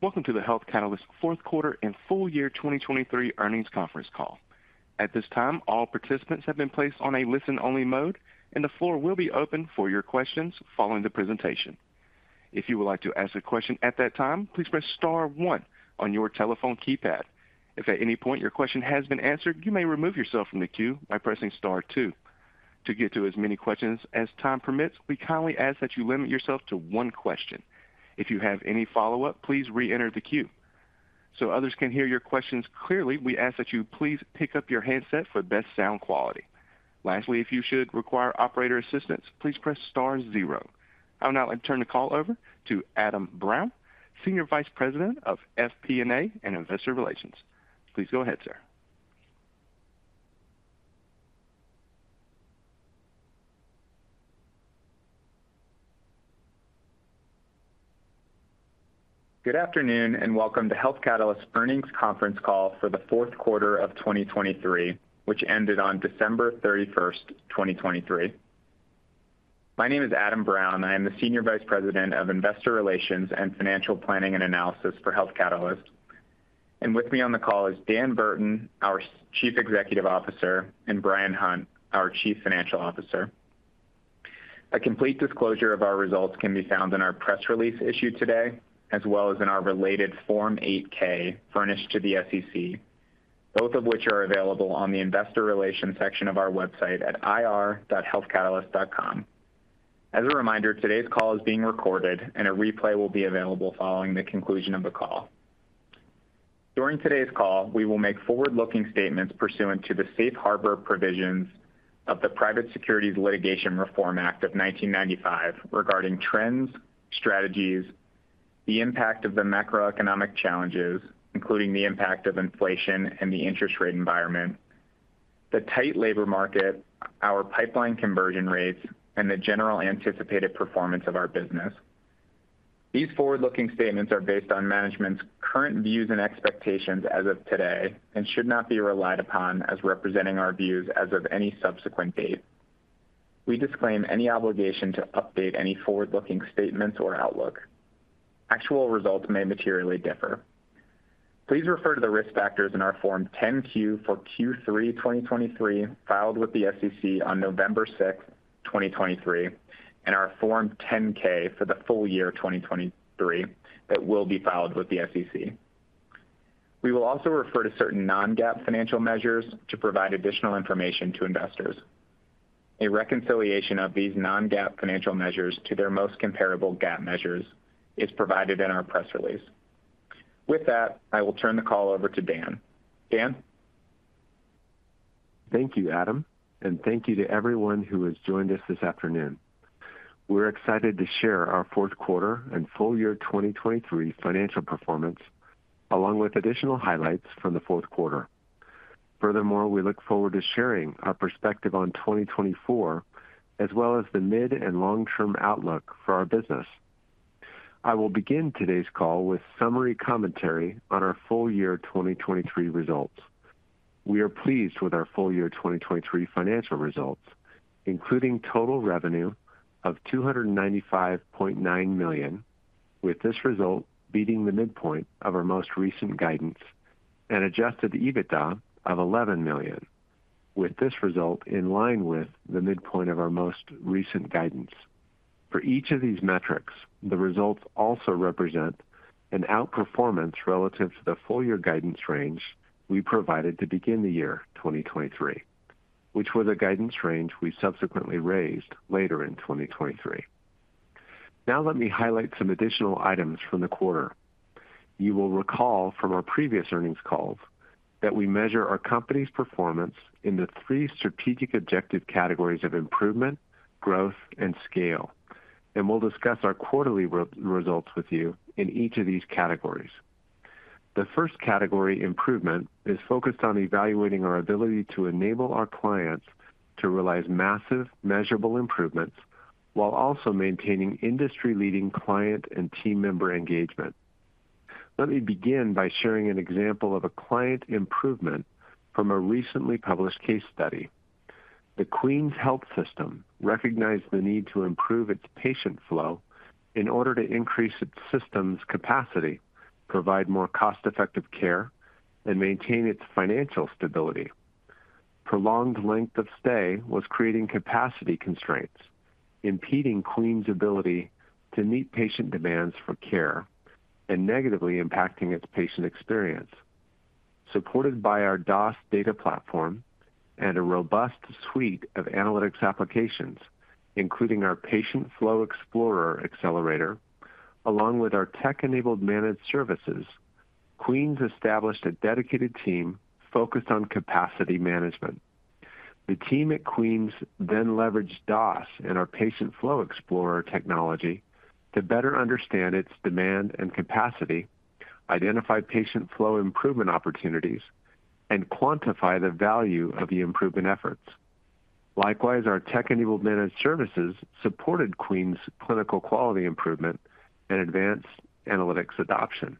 Welcome to the Health Catalyst fourth quarter and full year 2023 earnings conference call. At this time, all participants have been placed on a listen-only mode, and the floor will be open for your questions following the presentation. If you would like to ask a question at that time, please press star one on your telephone keypad. If at any point your question has been answered, you may remove yourself from the queue by pressing star two. To get to as many questions as time permits, we kindly ask that you limit yourself to one question. If you have any follow-up, please re-enter the queue. So others can hear your questions clearly, we ask that you please pick up your handset for best sound quality. Lastly, if you should require operator assistance, please press star zero. I will now turn the call over to Adam Brown, Senior Vice President of FP&A and Investor Relations. Please go ahead, sir. Good afternoon and welcome to Health Catalyst's earnings conference call for the fourth quarter of 2023, which ended on December 31st, 2023. My name is Adam Brown. I am the Senior Vice President of Investor Relations and Financial Planning and Analysis for Health Catalyst. With me on the call is Dan Burton, our Chief Executive Officer, and Bryan Hunt, our Chief Financial Officer. A complete disclosure of our results can be found in our press release issued today, as well as in our related Form 8-K furnished to the SEC, both of which are available on the Investor Relations section of our website at ir.healthcatalyst.com. As a reminder, today's call is being recorded, and a replay will be available following the conclusion of the call. During today's call, we will make forward-looking statements pursuant to the Safe Harbor provisions of the Private Securities Litigation Reform Act of 1995 regarding trends, strategies, the impact of the macroeconomic challenges, including the impact of inflation and the interest rate environment, the tight labor market, our pipeline conversion rates, and the general anticipated performance of our business. These forward-looking statements are based on management's current views and expectations as of today and should not be relied upon as representing our views as of any subsequent date. We disclaim any obligation to update any forward-looking statements or outlook. Actual results may materially differ. Please refer to the risk factors in our Form 10-Q for Q3 2023 filed with the SEC on November 6th, 2023, and our Form 10-K for the full year 2023 that will be filed with the SEC. We will also refer to certain non-GAAP financial measures to provide additional information to investors. A reconciliation of these non-GAAP financial measures to their most comparable GAAP measures is provided in our press release. With that, I will turn the call over to Dan. Dan? Thank you, Adam, and thank you to everyone who has joined us this afternoon. We're excited to share our fourth quarter and full year 2023 financial performance, along with additional highlights from the fourth quarter. Furthermore, we look forward to sharing our perspective on 2024, as well as the mid and long-term outlook for our business. I will begin today's call with summary commentary on our full year 2023 results. We are pleased with our full year 2023 financial results, including total revenue of $295.9 million, with this result beating the midpoint of our most recent guidance, and Adjusted EBITDA of $11 million, with this result in line with the midpoint of our most recent guidance. For each of these metrics, the results also represent an outperformance relative to the full-year guidance range we provided to begin the year 2023, which was a guidance range we subsequently raised later in 2023. Now let me highlight some additional items from the quarter. You will recall from our previous earnings calls that we measure our company's performance in the three strategic objective categories of improvement, growth, and scale, and we'll discuss our quarterly results with you in each of these categories. The first category, improvement, is focused on evaluating our ability to enable our clients to realize massive, measurable improvements while also maintaining industry-leading client and team member engagement. Let me begin by sharing an example of a client improvement from a recently published case study. The Queen's Health Systems recognized the need to improve its patient flow in order to increase its system's capacity, provide more cost-effective care, and maintain its financial stability. Prolonged length of stay was creating capacity constraints, impeding Queen's ability to meet patient demands for care and negatively impacting its patient experience. Supported by our DOS data platform and a robust suite of analytics applications, including our Patient Flow Explorer accelerator, along with our tech-enabled managed services, Queen's established a dedicated team focused on capacity management. The team at Queen's then leveraged DOS and our Patient Flow Explorer technology to better understand its demand and capacity, identify patient flow improvement opportunities, and quantify the value of the improvement efforts. Likewise, our tech-enabled managed services supported Queen's clinical quality improvement and advanced analytics adoption.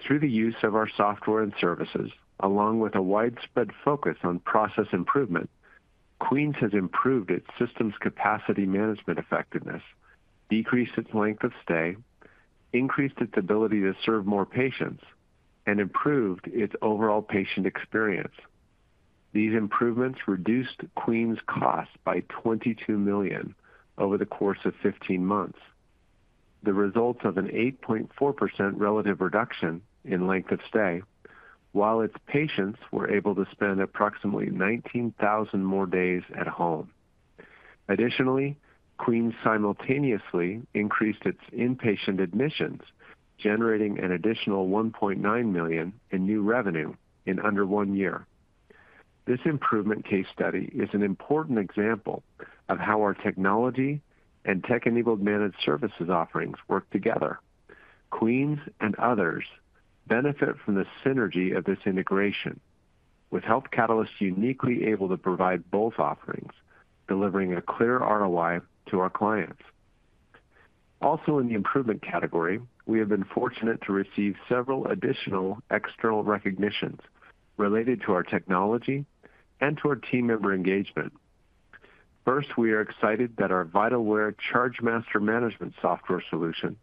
Through the use of our software and services, along with a widespread focus on process improvement, Queen's has improved its system's capacity management effectiveness, decreased its length of stay, increased its ability to serve more patients, and improved its overall patient experience. These improvements reduced Queen's costs by $22 million over the course of 15 months, the results of an 8.4% relative reduction in length of stay, while its patients were able to spend approximately 19,000 more days at home. Additionally, Queen's simultaneously increased its inpatient admissions, generating an additional $1.9 million in new revenue in under one year. This improvement case study is an important example of how our technology and tech-enabled managed services offerings work together. Queen's and others benefit from the synergy of this integration, with Health Catalyst uniquely able to provide both offerings, delivering a clear ROI to our clients. Also, in the improvement category, we have been fortunate to receive several additional external recognitions related to our technology and to our team member engagement. First, we are excited that our Vitalware ChargeMaster management software solution,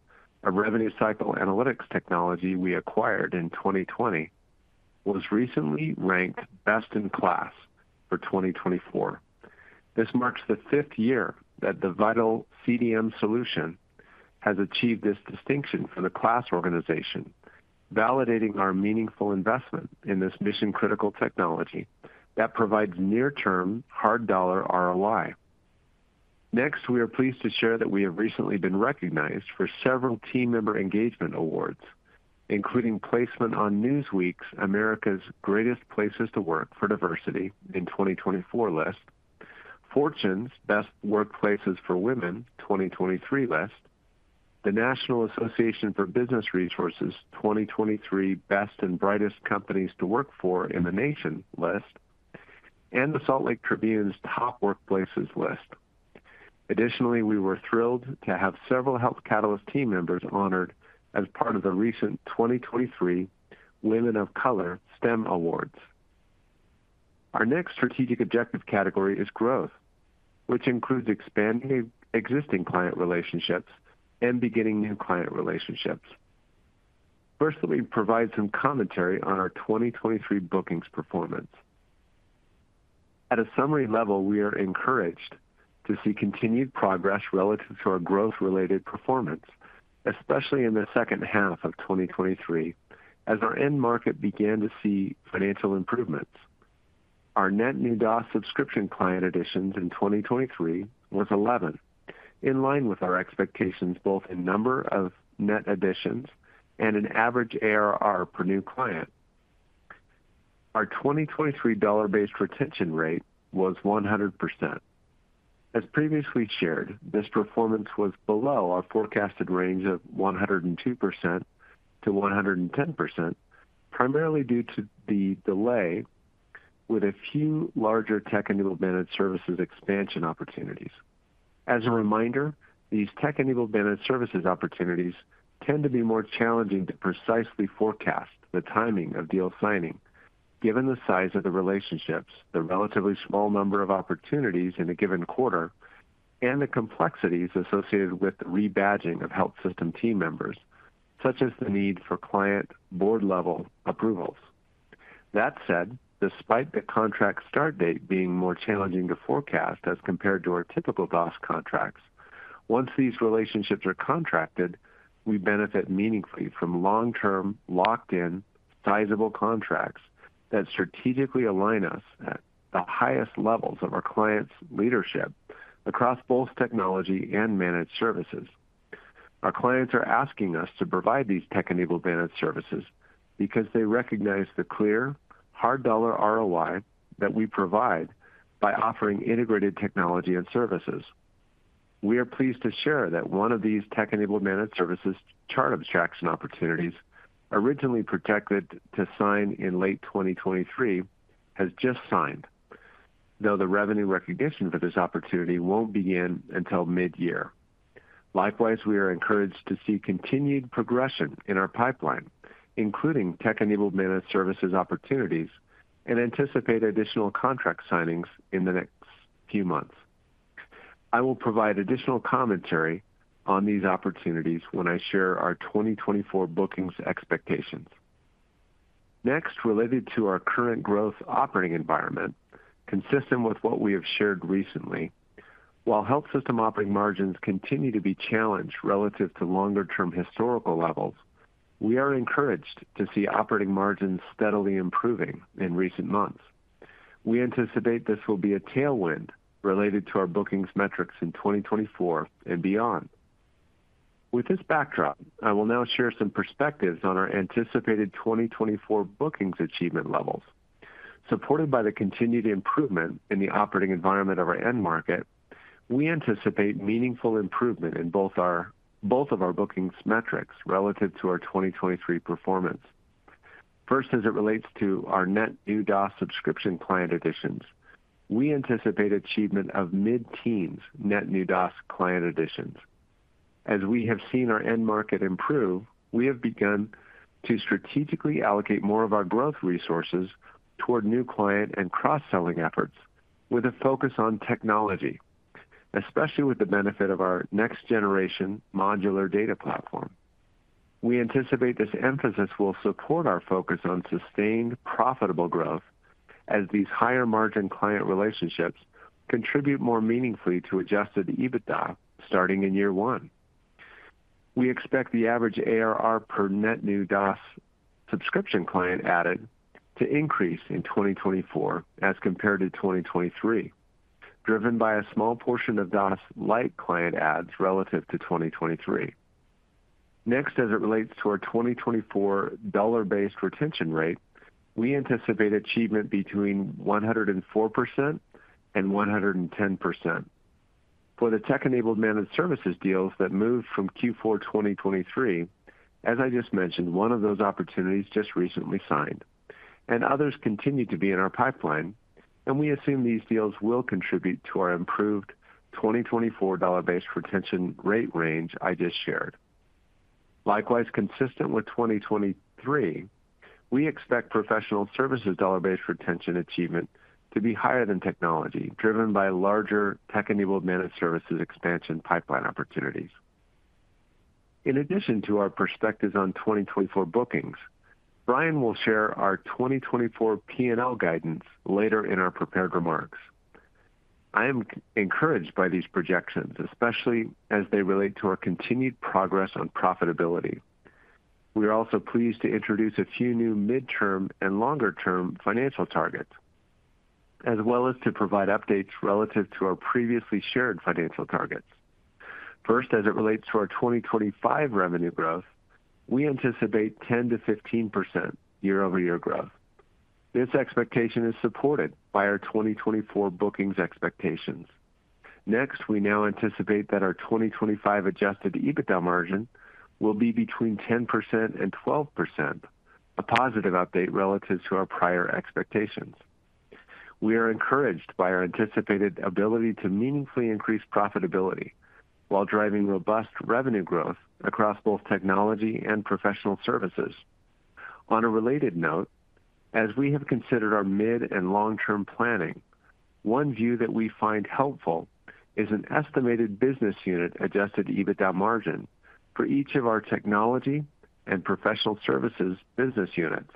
a revenue cycle analytics technology we acquired in 2020, was recently ranked best in class for 2024. This marks the fifth year that the VitalCDM solution has achieved this distinction for the KLAS organization, validating our meaningful investment in this mission-critical technology that provides near-term hard-dollar ROI. Next, we are pleased to share that we have recently been recognized for several team member engagement awards, including placement on Newsweek's America's Greatest Places to Work for Diversity in 2024 list, Fortune's Best Workplaces for Women 2023 list, the National Association for Business Resources 2023 Best and Brightest Companies to Work for in the Nation list, and the Salt Lake Tribune's Top Workplaces list. Additionally, we were thrilled to have several Health Catalyst team members honored as part of the recent 2023 Women of Color STEM Awards. Our next strategic objective category is growth, which includes expanding existing client relationships and beginning new client relationships. First, let me provide some commentary on our 2023 bookings performance. At a summary level, we are encouraged to see continued progress relative to our growth-related performance, especially in the second half of 2023, as our end market began to see financial improvements. Our net new DOS subscription client additions in 2023 was 11, in line with our expectations both in number of net additions and in average ARR per new client. Our 2023 dollar-based retention rate was 100%. As previously shared, this performance was below our forecasted range of 102%-110%, primarily due to the delay with a few larger Tech-Enabled Managed Services expansion opportunities. As a reminder, these tech-enabled managed services opportunities tend to be more challenging to precisely forecast the timing of deal signing, given the size of the relationships, the relatively small number of opportunities in a given quarter, and the complexities associated with re-badging of health system team members, such as the need for client board-level approvals. That said, despite the contract start date being more challenging to forecast as compared to our typical DOS contracts, once these relationships are contracted, we benefit meaningfully from long-term, locked-in, sizable contracts that strategically align us at the highest levels of our client's leadership across both technology and managed services. Our clients are asking us to provide these tech-enabled managed services because they recognize the clear, hard-dollar ROI that we provide by offering integrated technology and services. We are pleased to share that one of these tech-enabled managed services chart abstraction opportunities, originally projected to sign in late 2023, has just signed, though the revenue recognition for this opportunity won't begin until mid-year. Likewise, we are encouraged to see continued progression in our pipeline, including tech-enabled managed services opportunities, and anticipate additional contract signings in the next few months. I will provide additional commentary on these opportunities when I share our 2024 bookings expectations. Next, related to our current growth operating environment, consistent with what we have shared recently, while health system operating margins continue to be challenged relative to longer-term historical levels, we are encouraged to see operating margins steadily improving in recent months. We anticipate this will be a tailwind related to our bookings metrics in 2024 and beyond. With this backdrop, I will now share some perspectives on our anticipated 2024 bookings achievement levels. Supported by the continued improvement in the operating environment of our end market, we anticipate meaningful improvement in both of our bookings metrics relative to our 2023 performance. First, as it relates to our net new DOS subscription client additions, we anticipate achievement of mid-teens net new DOS client additions. As we have seen our end market improve, we have begun to strategically allocate more of our growth resources toward new client and cross-selling efforts with a focus on technology, especially with the benefit of our next-generation modular data platform. We anticipate this emphasis will support our focus on sustained, profitable growth as these higher-margin client relationships contribute more meaningfully to Adjusted EBITDA starting in year one. We expect the average ARR per net new DOS subscription client added to increase in 2024 as compared to 2023, driven by a small portion of DOS-like client adds relative to 2023. Next, as it relates to our 2024 dollar-based retention rate, we anticipate achievement between 104% and 110%. For the tech-enabled managed services deals that move from Q4 2023, as I just mentioned, one of those opportunities just recently signed. Others continue to be in our pipeline, and we assume these deals will contribute to our improved 2024 dollar-based retention rate range I just shared. Likewise, consistent with 2023, we expect professional services dollar-based retention achievement to be higher than technology, driven by larger tech-enabled managed services expansion pipeline opportunities. In addition to our perspectives on 2024 bookings, Bryan will share our 2024 P&L guidance later in our prepared remarks. I am encouraged by these projections, especially as they relate to our continued progress on profitability. We are also pleased to introduce a few new mid-term and longer-term financial targets, as well as to provide updates relative to our previously shared financial targets. First, as it relates to our 2025 revenue growth, we anticipate 10%-15% year-over-year growth. This expectation is supported by our 2024 bookings expectations. Next, we now anticipate that our 2025 adjusted EBITDA margin will be between 10% and 12%, a positive update relative to our prior expectations. We are encouraged by our anticipated ability to meaningfully increase profitability while driving robust revenue growth across both technology and professional services. On a related note, as we have considered our mid and long-term planning, one view that we find helpful is an estimated business unit adjusted EBITDA margin for each of our technology and professional services business units.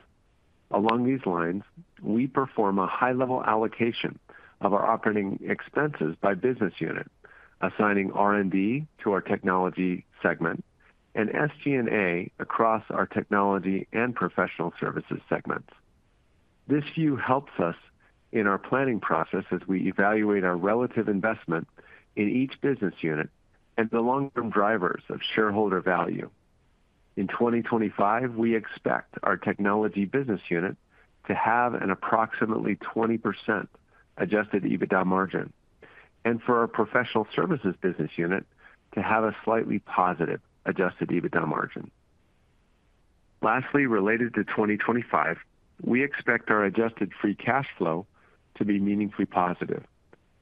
Along these lines, we perform a high-level allocation of our operating expenses by business unit, assigning R&D to our technology segment and SG&A across our technology and professional services segments. This view helps us in our planning process as we evaluate our relative investment in each business unit and the long-term drivers of shareholder value. In 2025, we expect our technology business unit to have an approximately 20% adjusted EBITDA margin, and for our professional services business unit to have a slightly positive adjusted EBITDA margin. Lastly, related to 2025, we expect our adjusted free cash flow to be meaningfully positive,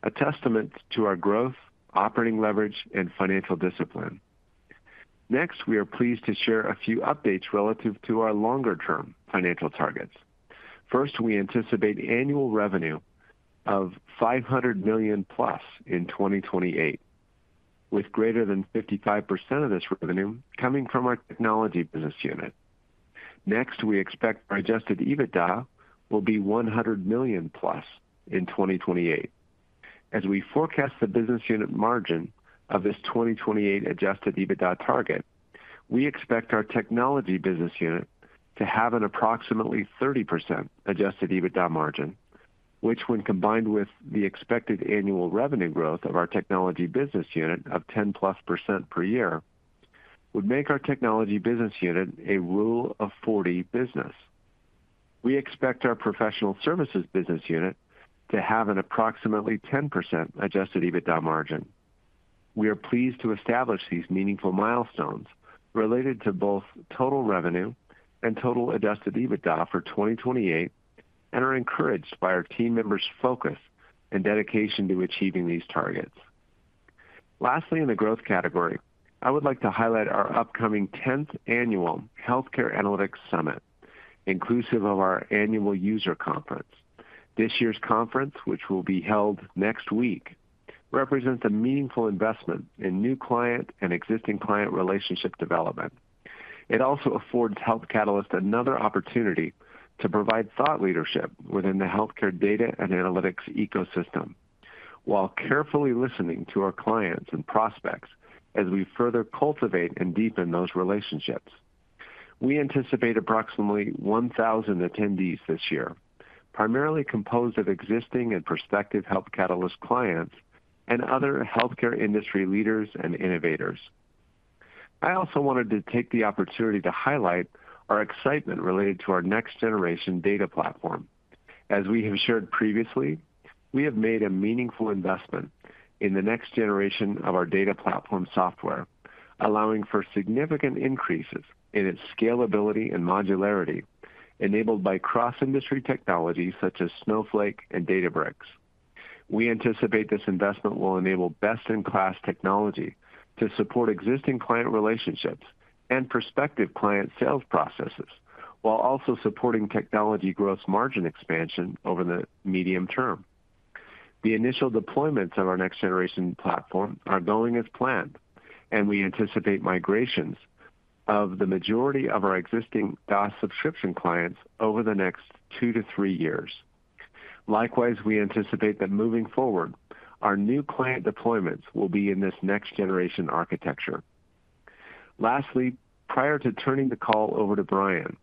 a testament to our growth, operating leverage, and financial discipline. Next, we are pleased to share a few updates relative to our longer-term financial targets. First, we anticipate annual revenue of $500 million+ in 2028, with greater than 55% of this revenue coming from our technology business unit. Next, we expect our Adjusted EBITDA will be $100 million+ in 2028. As we forecast the business unit margin of this 2028 Adjusted EBITDA target, we expect our technology business unit to have an approximately 30% Adjusted EBITDA margin, which, when combined with the expected annual revenue growth of our technology business unit of 10+% per year, would make our technology business unit a Rule of 40 business. We expect our professional services business unit to have an approximately 10% Adjusted EBITDA margin. We are pleased to establish these meaningful milestones related to both total revenue and total Adjusted EBITDA for 2028 and are encouraged by our team members' focus and dedication to achieving these targets. Lastly, in the growth category, I would like to highlight our upcoming 10th annual Healthcare Analytics Summit, inclusive of our annual user conference. This year's conference, which will be held next week, represents a meaningful investment in new client and existing client relationship development. It also affords Health Catalyst another opportunity to provide thought leadership within the healthcare data and analytics ecosystem, while carefully listening to our clients and prospects as we further cultivate and deepen those relationships. We anticipate approximately 1,000 attendees this year, primarily composed of existing and prospective Health Catalyst clients and other healthcare industry leaders and innovators. I also wanted to take the opportunity to highlight our excitement related to our next-generation data platform. As we have shared previously, we have made a meaningful investment in the next generation of our data platform software, allowing for significant increases in its scalability and modularity, enabled by cross-industry technologies such as Snowflake and Databricks. We anticipate this investment will enable best-in-class technology to support existing client relationships and prospective client sales processes, while also supporting technology growth margin expansion over the medium term. The initial deployments of our next-generation platform are going as planned, and we anticipate migrations of the majority of our existing DOS subscription clients over the next two to three years. Likewise, we anticipate that moving forward, our new client deployments will be in this next-generation architecture. Lastly, prior to turning the call over to Bryan,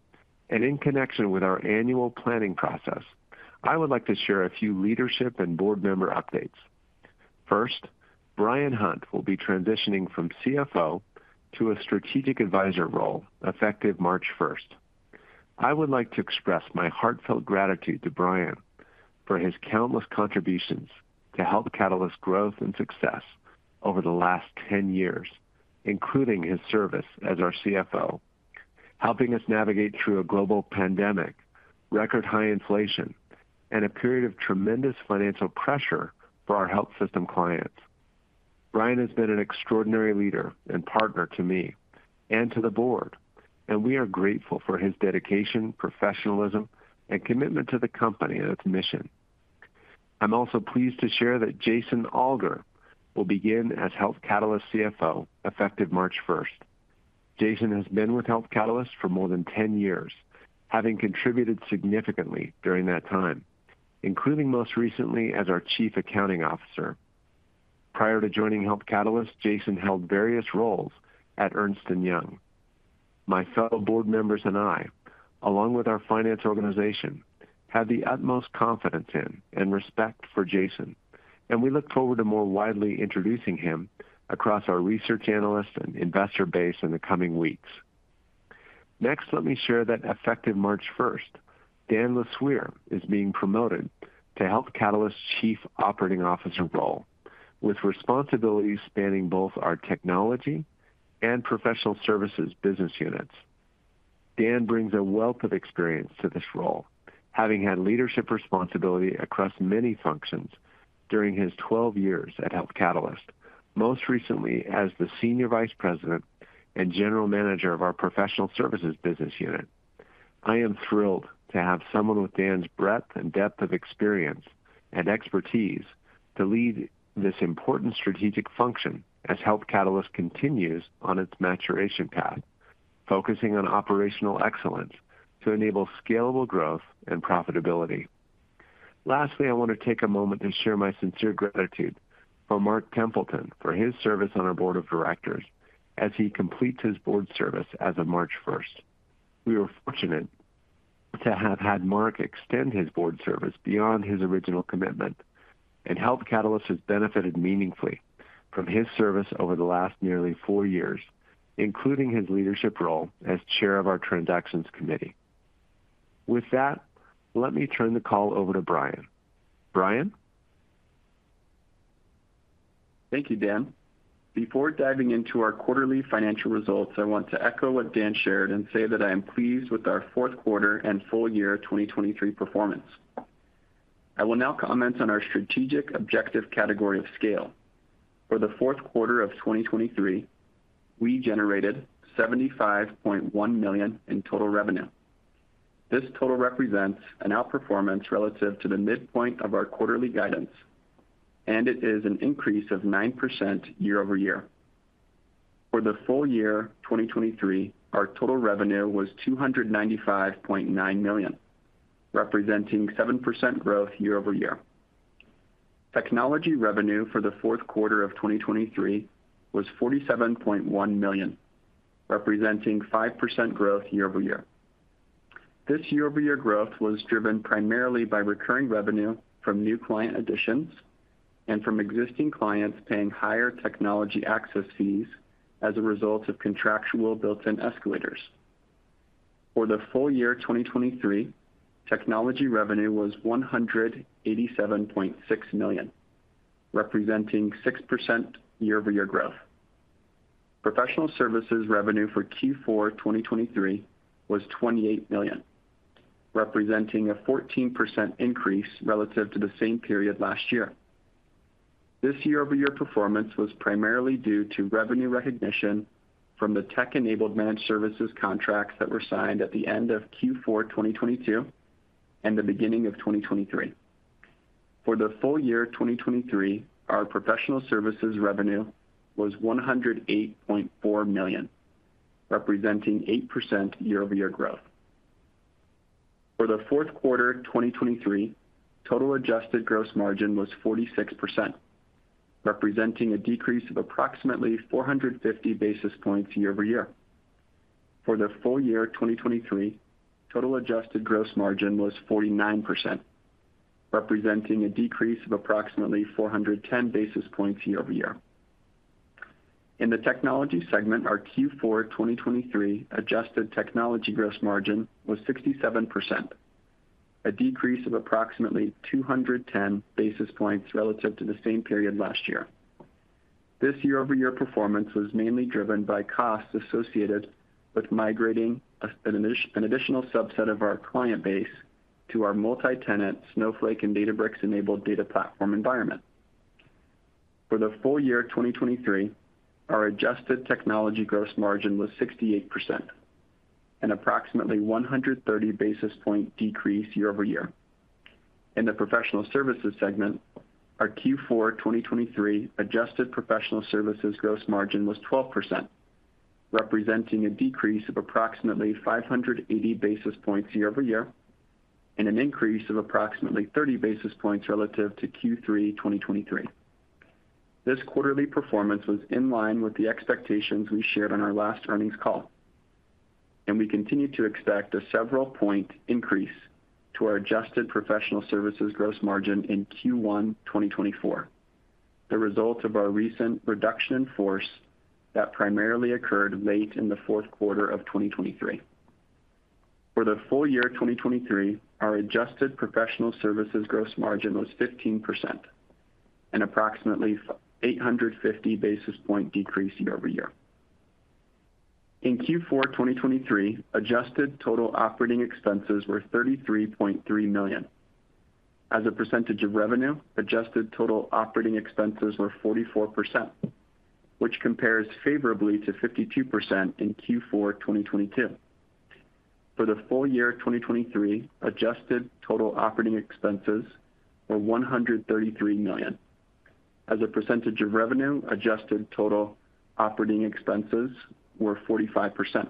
and in connection with our annual planning process, I would like to share a few leadership and board member updates. First, Bryan Hunt will be transitioning from CFO to a strategic advisor role effective March 1st. I would like to express my heartfelt gratitude to Bryan for his countless contributions to Health Catalyst growth and success over the last 10 years, including his service as our CFO, helping us navigate through a global pandemic, record-high inflation, and a period of tremendous financial pressure for our health system clients. Bryan has been an extraordinary leader and partner to me and to the board, and we are grateful for his dedication, professionalism, and commitment to the company and its mission. I'm also pleased to share that Jason Alger will begin as Health Catalyst CFO effective March 1st. Jason has been with Health Catalyst for more than 10 years, having contributed significantly during that time, including most recently as our Chief Accounting Officer. Prior to joining Health Catalyst, Jason held various roles at Ernst & Young. My fellow board members and I, along with our finance organization, have the utmost confidence in and respect for Jason, and we look forward to more widely introducing him across our research analyst and investor base in the coming weeks. Next, let me share that effective March 1st, Dan LeSueur is being promoted to Health Catalyst Chief Operating Officer role, with responsibilities spanning both our technology and professional services business units. Dan brings a wealth of experience to this role, having had leadership responsibility across many functions during his 12 years at Health Catalyst, most recently as the Senior Vice President and General Manager of our professional services business unit. I am thrilled to have someone with Dan's breadth and depth of experience and expertise to lead this important strategic function as Health Catalyst continues on its maturation path, focusing on operational excellence to enable scalable growth and profitability. Lastly, I want to take a moment to share my sincere gratitude for Mark Templeton for his service on our board of directors as he completes his board service as of March 1st. We were fortunate to have had Mark extend his board service beyond his original commitment, and Health Catalyst has benefited meaningfully from his service over the last nearly four years, including his leadership role as chair of our transactions committee. With that, let me turn the call over to Bryan. Bryan? Thank you, Dan. Before diving into our quarterly financial results, I want to echo what Dan shared and say that I am pleased with our fourth quarter and full year 2023 performance. I will now comment on our strategic objective category of scale. For the fourth quarter of 2023, we generated $75.1 million in total revenue. This total represents an outperformance relative to the midpoint of our quarterly guidance, and it is an increase of 9% year-over-year. For the full year 2023, our total revenue was $295.9 million, representing 7% growth year-over-year. Technology revenue for the fourth quarter of 2023 was $47.1 million, representing 5% growth year-over-year. This year-over-year growth was driven primarily by recurring revenue from new client additions and from existing clients paying higher technology access fees as a result of contractual built-in escalators. For the full year 2023, technology revenue was $187.6 million, representing 6% year-over-year growth. Professional services revenue for Q4 2023 was $28 million, representing a 14% increase relative to the same period last year. This year-over-year performance was primarily due to revenue recognition from the tech-enabled managed services contracts that were signed at the end of Q4 2022 and the beginning of 2023. For the full year 2023, our professional services revenue was $108.4 million, representing 8% year-over-year growth. For the fourth quarter 2023, total adjusted gross margin was 46%, representing a decrease of approximately 450 basis points year-over-year. For the full year 2023, total adjusted gross margin was 49%, representing a decrease of approximately 410 basis points year-over-year. In the technology segment, our Q4 2023 adjusted technology gross margin was 67%, a decrease of approximately 210 basis points relative to the same period last year. This year-over-year performance was mainly driven by costs associated with migrating an additional subset of our client base to our multi-tenant Snowflake and Databricks-enabled data platform environment. For the full year 2023, our adjusted technology gross margin was 68%, an approximately 130 basis point decrease year-over-year. In the professional services segment, our Q4 2023 adjusted professional services gross margin was 12%, representing a decrease of approximately 580 basis points year-over-year and an increase of approximately 30 basis points relative to Q3 2023. This quarterly performance was in line with the expectations we shared on our last earnings call, and we continue to expect a several point increase to our adjusted professional services gross margin in Q1 2024, the result of our recent reduction in force that primarily occurred late in the fourth quarter of 2023. For the full year 2023, our adjusted professional services gross margin was 15%, an approximately 850 basis point decrease year-over-year. In Q4 2023, adjusted total operating expenses were $33.3 million. As a percentage of revenue, adjusted total operating expenses were 44%, which compares favorably to 52% in Q4 2022. For the full year 2023, adjusted total operating expenses were $133 million. As a percentage of revenue, adjusted total operating expenses were 45%,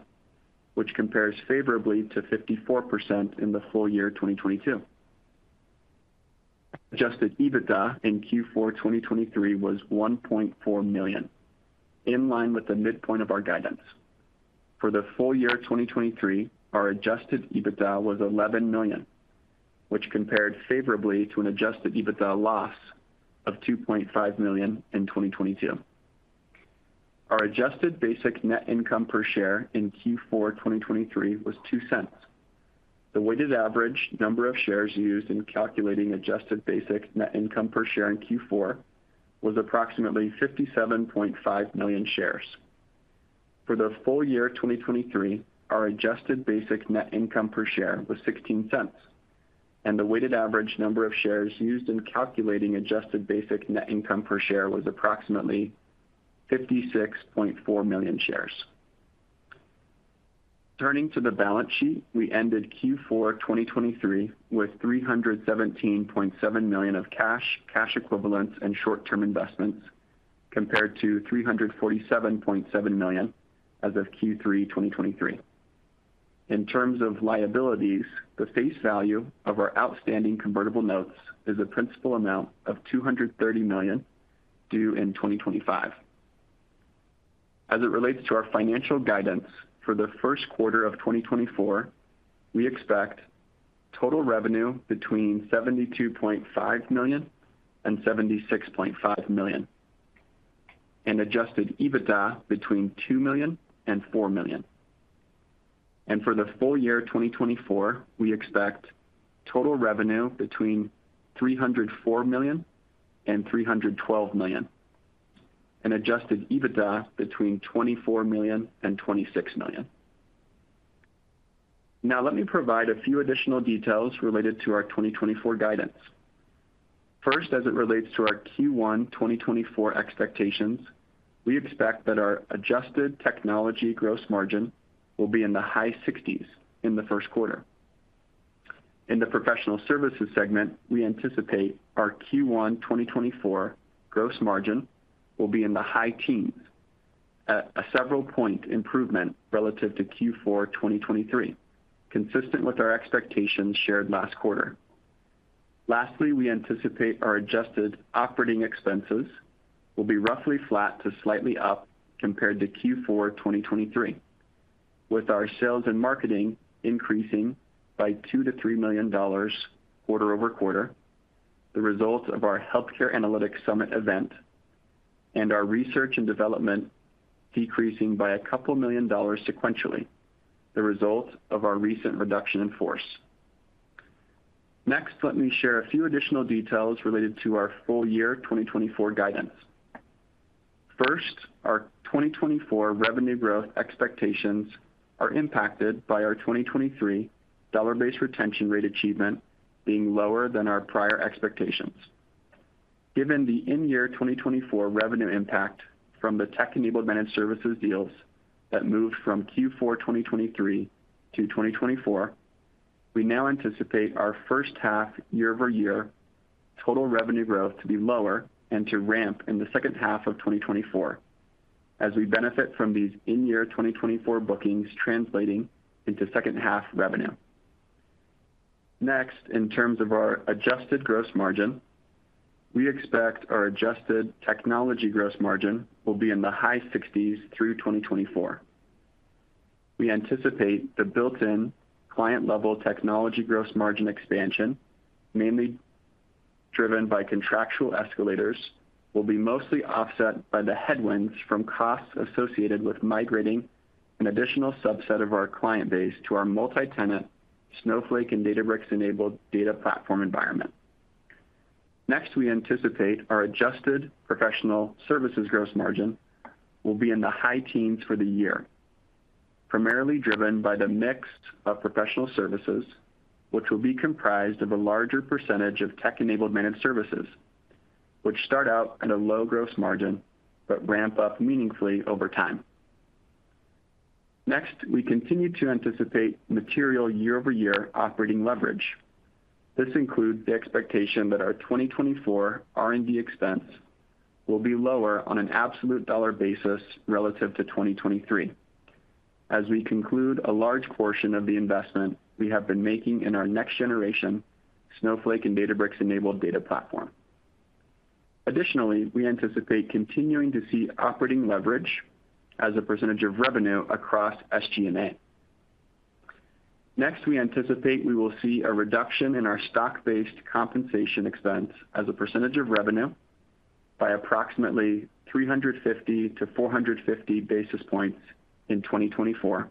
which compares favorably to 54% in the full year 2022. Adjusted EBITDA in Q4 2023 was $1.4 million, in line with the midpoint of our guidance. For the full year 2023, our adjusted EBITDA was $11 million, which compared favorably to an adjusted EBITDA loss of $2.5 million in 2022. Our adjusted basic net income per share in Q4 2023 was $0.02. The weighted average number of shares used in calculating adjusted basic net income per share in Q4 was approximately 57.5 million shares. For the full year 2023, our adjusted basic net income per share was $0.16, and the weighted average number of shares used in calculating adjusted basic net income per share was approximately 56.4 million shares. Turning to the balance sheet, we ended Q4 2023 with $317.7 million of cash, cash equivalents, and short-term investments compared to $347.7 million as of Q3 2023. In terms of liabilities, the face value of our outstanding convertible notes is a principal amount of $230 million due in 2025. As it relates to our financial guidance for the first quarter of 2024, we expect total revenue between $72.5 million and $76.5 million, and Adjusted EBITDA between $2 million and $4 million. For the full year 2024, we expect total revenue between $304 million and $312 million, and Adjusted EBITDA between $24 million and $26 million. Now, let me provide a few additional details related to our 2024 guidance. First, as it relates to our Q1 2024 expectations, we expect that our adjusted technology gross margin will be in the high 60s in the first quarter. In the professional services segment, we anticipate our Q1 2024 gross margin will be in the high teens, a several-point improvement relative to Q4 2023, consistent with our expectations shared last quarter. Lastly, we anticipate our adjusted operating expenses will be roughly flat to slightly up compared to Q4 2023, with our sales and marketing increasing by $2-$3 million quarter over quarter, the results of our Healthcare Analytics Summit event, and our research and development decreasing by $2 million sequentially, the result of our recent reduction in force. Next, let me share a few additional details related to our full year 2024 guidance. First, our 2024 revenue growth expectations are impacted by our 2023 dollar-based retention rate achievement being lower than our prior expectations. Given the in-year 2024 revenue impact from the tech-enabled managed services deals that moved from Q4 2023 to 2024, we now anticipate our first half year-over-year total revenue growth to be lower and to ramp in the second half of 2024, as we benefit from these in-year 2024 bookings translating into second half revenue. Next, in terms of our adjusted gross margin, we expect our adjusted technology gross margin will be in the high 60s through 2024. We anticipate the built-in client-level technology gross margin expansion, mainly driven by contractual escalators, will be mostly offset by the headwinds from costs associated with migrating an additional subset of our client base to our multi-tenant Snowflake and Databricks-enabled data platform environment. Next, we anticipate our adjusted professional services gross margin will be in the high teens for the year, primarily driven by the mix of professional services, which will be comprised of a larger percentage of tech-enabled managed services, which start out at a low gross margin but ramp up meaningfully over time. Next, we continue to anticipate material year-over-year operating leverage. This includes the expectation that our 2024 R&D expense will be lower on an absolute dollar basis relative to 2023, as we conclude a large portion of the investment we have been making in our next-generation Snowflake and Databricks-enabled data platform. Additionally, we anticipate continuing to see operating leverage as a percentage of revenue across SG&A. Next, we anticipate we will see a reduction in our stock-based compensation expense as a percentage of revenue by approximately 350-450 basis points in 2024,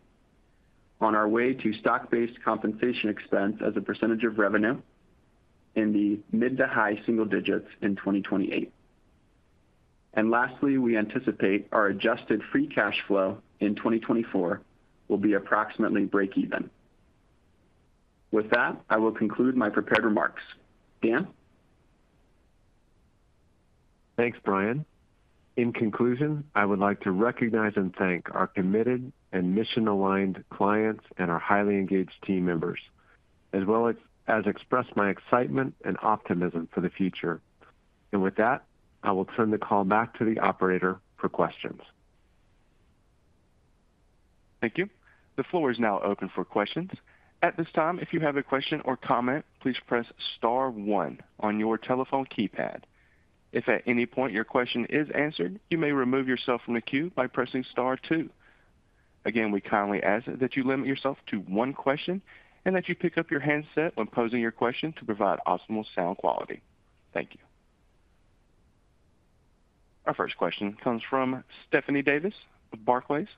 on our way to stock-based compensation expense as a percentage of revenue in the mid to high single digits in 2028. Lastly, we anticipate our adjusted free cash flow in 2024 will be approximately break even. With that, I will conclude my prepared remarks. Dan? Thanks, Bryan. In conclusion, I would like to recognize and thank our committed and mission-aligned clients and our highly engaged team members, as well as express my excitement and optimism for the future. With that, I will turn the call back to the operator for questions. Thank you. The floor is now open for questions. At this time, if you have a question or comment, please press star one on your telephone keypad. If at any point your question is answered, you may remove yourself from the queue by pressing star two. Again, we kindly ask that you limit yourself to one question and that you pick up your handset when posing your question to provide optimal sound quality. Thank you. Our first question comes from Stephanie Davis of Barclays.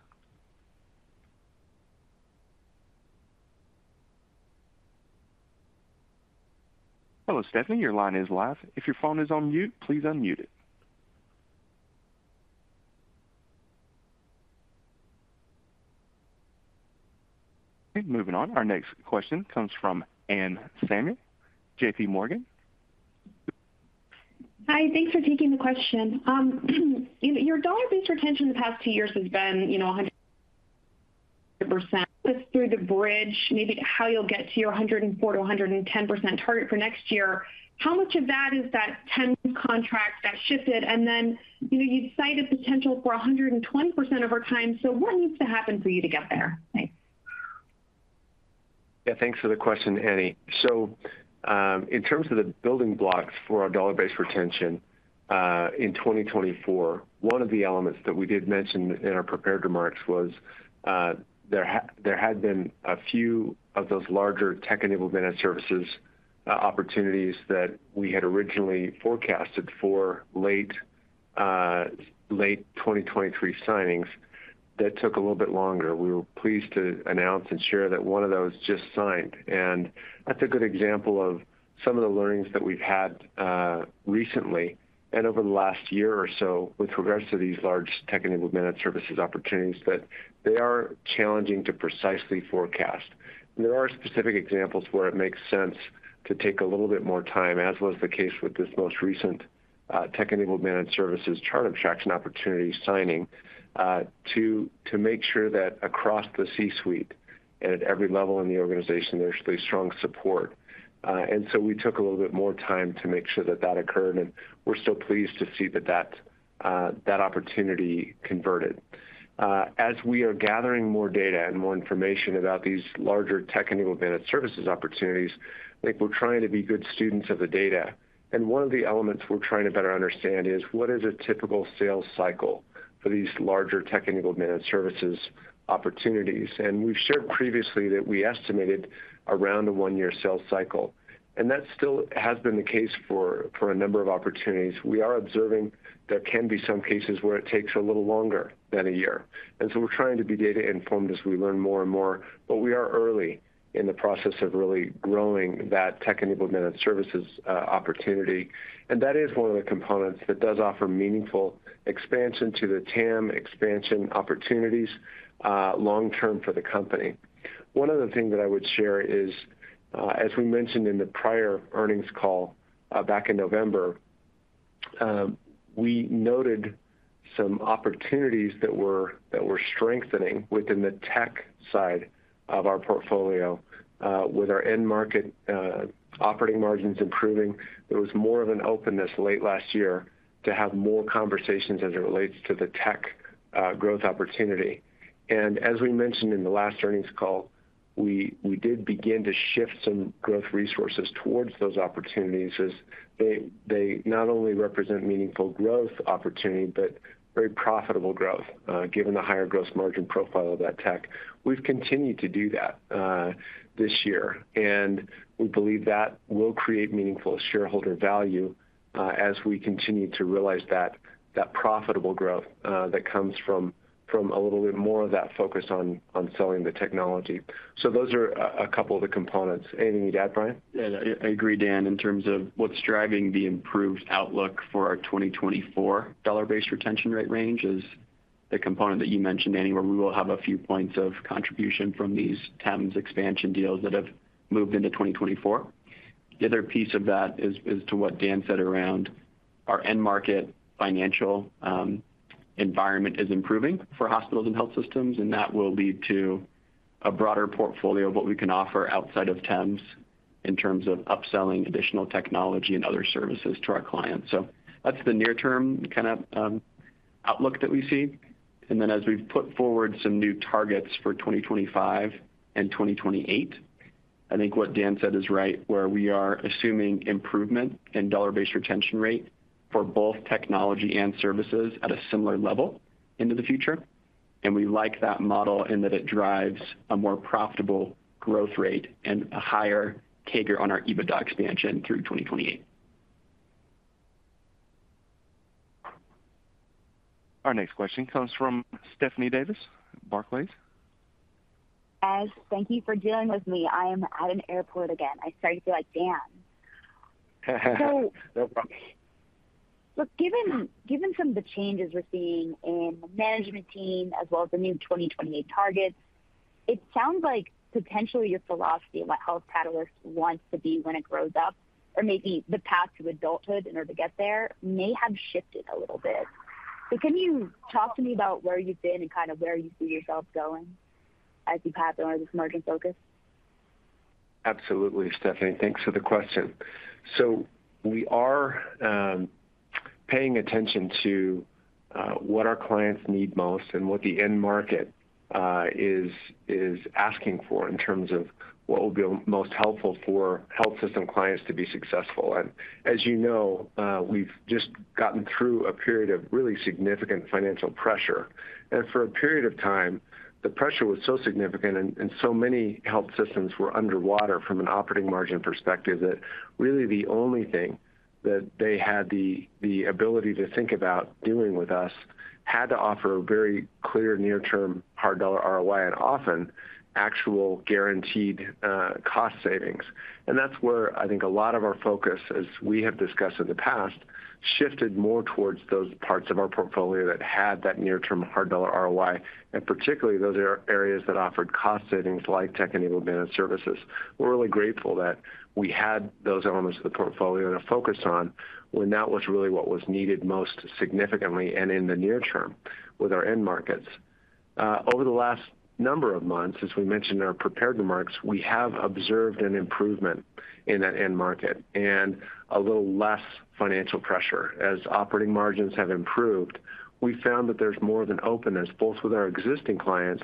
Hello, Stephanie. Your line is live. If your phone is on mute, please unmute it. Okay, moving on. Our next question comes from Anne Samuel of J.P. Morgan. Hi. Thanks for taking the question. Your dollar-based retention in the past two years has been 100%. It's through the bridge, maybe how you'll get to your 104%-110% target for next year. How much of that is that 10 contract that shifted? And then you'd cited potential for 120% over time. So what needs to happen for you to get there? Thanks. Yeah, thanks for the question, Annie. So in terms of the building blocks for our dollar-based retention in 2024, one of the elements that we did mention in our prepared remarks was there had been a few of those larger tech-enabled managed services opportunities that we had originally forecasted for late 2023 signings that took a little bit longer. We were pleased to announce and share that one of those just signed. And that's a good example of some of the learnings that we've had recently and over the last year or so with regards to these large tech-enabled managed services opportunities that they are challenging to precisely forecast. There are specific examples where it makes sense to take a little bit more time, as was the case with this most recent Tech-Enabled Managed Services chart abstraction opportunity signing, to make sure that across the C-suite and at every level in the organization, there's really strong support. So we took a little bit more time to make sure that that occurred. We're still pleased to see that that opportunity converted. As we are gathering more data and more information about these larger Tech-Enabled Managed Services opportunities, I think we're trying to be good students of the data. One of the elements we're trying to better understand is what is a typical sales cycle for these larger Tech-Enabled Managed Services opportunities? We've shared previously that we estimated around a one-year sales cycle. That still has been the case for a number of opportunities. We are observing there can be some cases where it takes a little longer than a year. And so we're trying to be data-informed as we learn more and more. But we are early in the process of really growing that tech-enabled managed services opportunity. And that is one of the components that does offer meaningful expansion to the TAM expansion opportunities long-term for the company. One of the things that I would share is, as we mentioned in the prior earnings call back in November, we noted some opportunities that were strengthening within the tech side of our portfolio, with our end market operating margins improving. There was more of an openness late last year to have more conversations as it relates to the tech growth opportunity. As we mentioned in the last earnings call, we did begin to shift some growth resources towards those opportunities as they not only represent meaningful growth opportunity but very profitable growth given the higher gross margin profile of that tech. We've continued to do that this year. We believe that will create meaningful shareholder value as we continue to realize that profitable growth that comes from a little bit more of that focus on selling the technology. Those are a couple of the components. Anything you'd add, Bryan? Yeah, I agree, Dan, in terms of what's driving the improved outlook for our 2024 dollar-based retention rate range is the component that you mentioned, Anne, where we will have a few points of contribution from these TAMs expansion deals that have moved into 2024. The other piece of that is to what Dan said around our end market financial environment is improving for hospitals and health systems. And that will lead to a broader portfolio of what we can offer outside of TAMs in terms of upselling additional technology and other services to our clients. So that's the near-term kind of outlook that we see. And then as we've put forward some new targets for 2025 and 2028, I think what Dan said is right, where we are assuming improvement in dollar-based retention rate for both technology and services at a similar level into the future. And we like that model in that it drives a more profitable growth rate and a higher CAGR on our EBITDA expansion through 2028. Our next question comes from Stephanie Davis, Barclays. Guys, thank you for dealing with me. I am at an airport again. I started to feel like Dan. So given some of the changes we're seeing in the management team as well as the new 2028 targets, it sounds like potentially your philosophy of what Health Catalyst wants to be when it grows up or maybe the path to adulthood in order to get there may have shifted a little bit. So can you talk to me about where you've been and kind of where you see yourself going as you've had to learn this margin focus? Absolutely, Stephanie. Thanks for the question. So we are paying attention to what our clients need most and what the end market is asking for in terms of what will be most helpful for health system clients to be successful. And as you know, we've just gotten through a period of really significant financial pressure. For a period of time, the pressure was so significant, and so many health systems were underwater from an operating margin perspective that really the only thing that they had the ability to think about doing with us had to offer a very clear near-term hard dollar ROI and often actual guaranteed cost savings. That's where I think a lot of our focus, as we have discussed in the past, shifted more towards those parts of our portfolio that had that near-term hard dollar ROI, and particularly those areas that offered cost savings like Tech-Enabled Managed Services. We're really grateful that we had those elements of the portfolio to focus on when that was really what was needed most significantly and in the near term with our end markets. Over the last number of months, as we mentioned in our prepared remarks, we have observed an improvement in that end market and a little less financial pressure. As operating margins have improved, we found that there's more of an openness both with our existing clients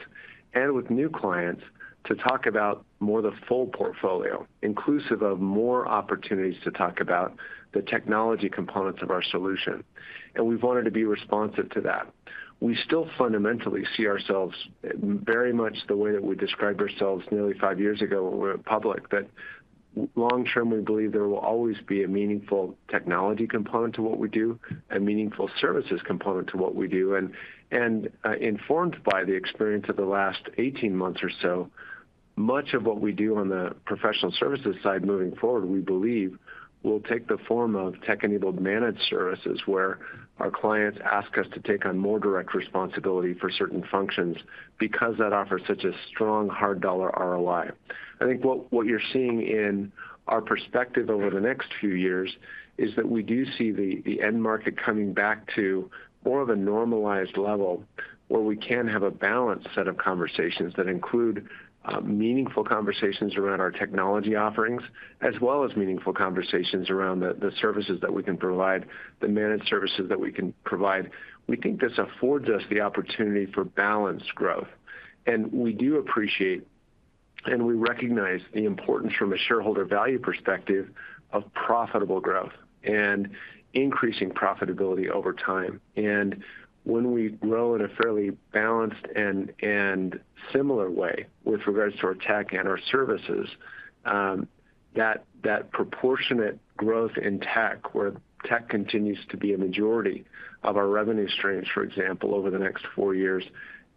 and with new clients to talk about more of the full portfolio, inclusive of more opportunities to talk about the technology components of our solution. We've wanted to be responsive to that. We still fundamentally see ourselves very much the way that we described ourselves nearly five years ago when we went public, that long-term, we believe there will always be a meaningful technology component to what we do, a meaningful services component to what we do. Informed by the experience of the last 18 months or so, much of what we do on the professional services side moving forward, we believe, will take the form of Tech-Enabled Managed Services where our clients ask us to take on more direct responsibility for certain functions because that offers such a strong hard dollar ROI. I think what you're seeing in our perspective over the next few years is that we do see the end market coming back to more of a normalized level where we can have a balanced set of conversations that include meaningful conversations around our technology offerings as well as meaningful conversations around the services that we can provide, the managed services that we can provide. We think this affords us the opportunity for balanced growth. We do appreciate and we recognize the importance from a shareholder value perspective of profitable growth and increasing profitability over time. And when we grow in a fairly balanced and similar way with regards to our tech and our services, that proportionate growth in tech, where tech continues to be a majority of our revenue streams, for example, over the next four years,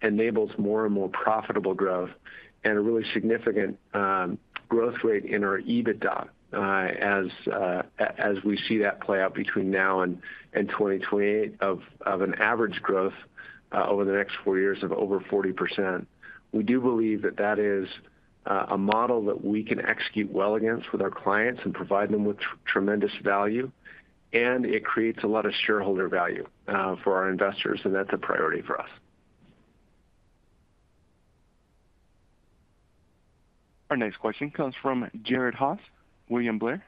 enables more and more profitable growth and a really significant growth rate in our EBITDA as we see that play out between now and 2028 of an average growth over the next four years of over 40%. We do believe that that is a model that we can execute well against with our clients and provide them with tremendous value. And it creates a lot of shareholder value for our investors. And that's a priority for us. Our next question comes from Jared Haas, William Blair.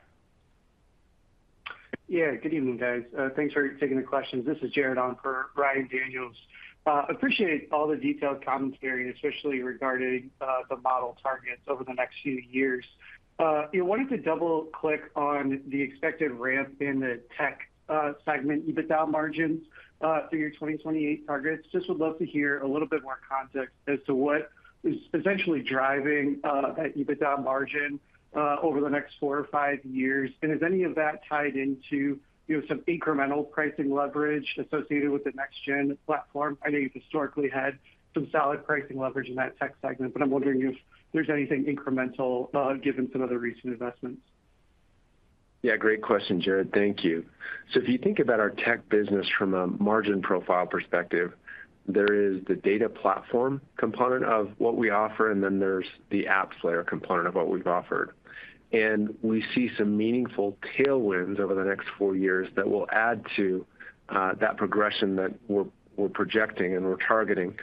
Yeah, good evening, guys. Thanks for taking the questions. This is Jared on for Ryan Daniels. Appreciate all the detailed commentary, especially regarding the model targets over the next few years. I wanted to double-click on the expected ramp in the tech segment EBITDA margins through your 2028 targets. Just would love to hear a little bit more context as to what is essentially driving that EBITDA margin over the next four or five years. And is any of that tied into some incremental pricing leverage associated with the next-gen platform? I know you've historically had some solid pricing leverage in that tech segment. But I'm wondering if there's anything incremental given some of the recent investments. Yeah, great question, Jared. Thank you. So if you think about our tech business from a margin profile perspective, there is the data platform component of what we offer. And then there's the apps layer component of what we've offered. And we see some meaningful tailwinds over the next four years that will add to that progression that we're projecting and we're targeting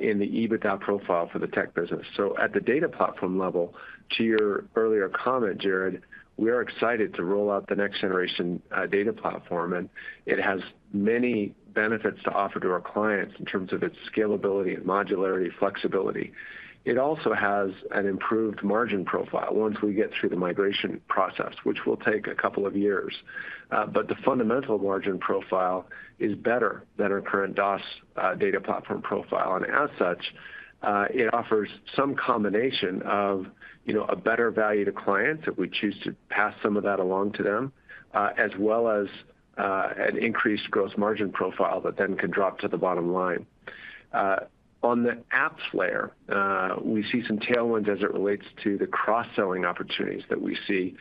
in the EBITDA profile for the tech business. So at the data platform level, to your earlier comment, Jared, we are excited to roll out the next-generation data platform. And it has many benefits to offer to our clients in terms of its scalability and modularity, flexibility. It also has an improved margin profile once we get through the migration process, which will take a couple of years. But the fundamental margin profile is better than our current DOS data platform profile. As such, it offers some combination of a better value to clients if we choose to pass some of that along to them, as well as an increased gross margin profile that then can drop to the bottom line. On the apps layer, we see some tailwinds as it relates to the cross-selling opportunities that we see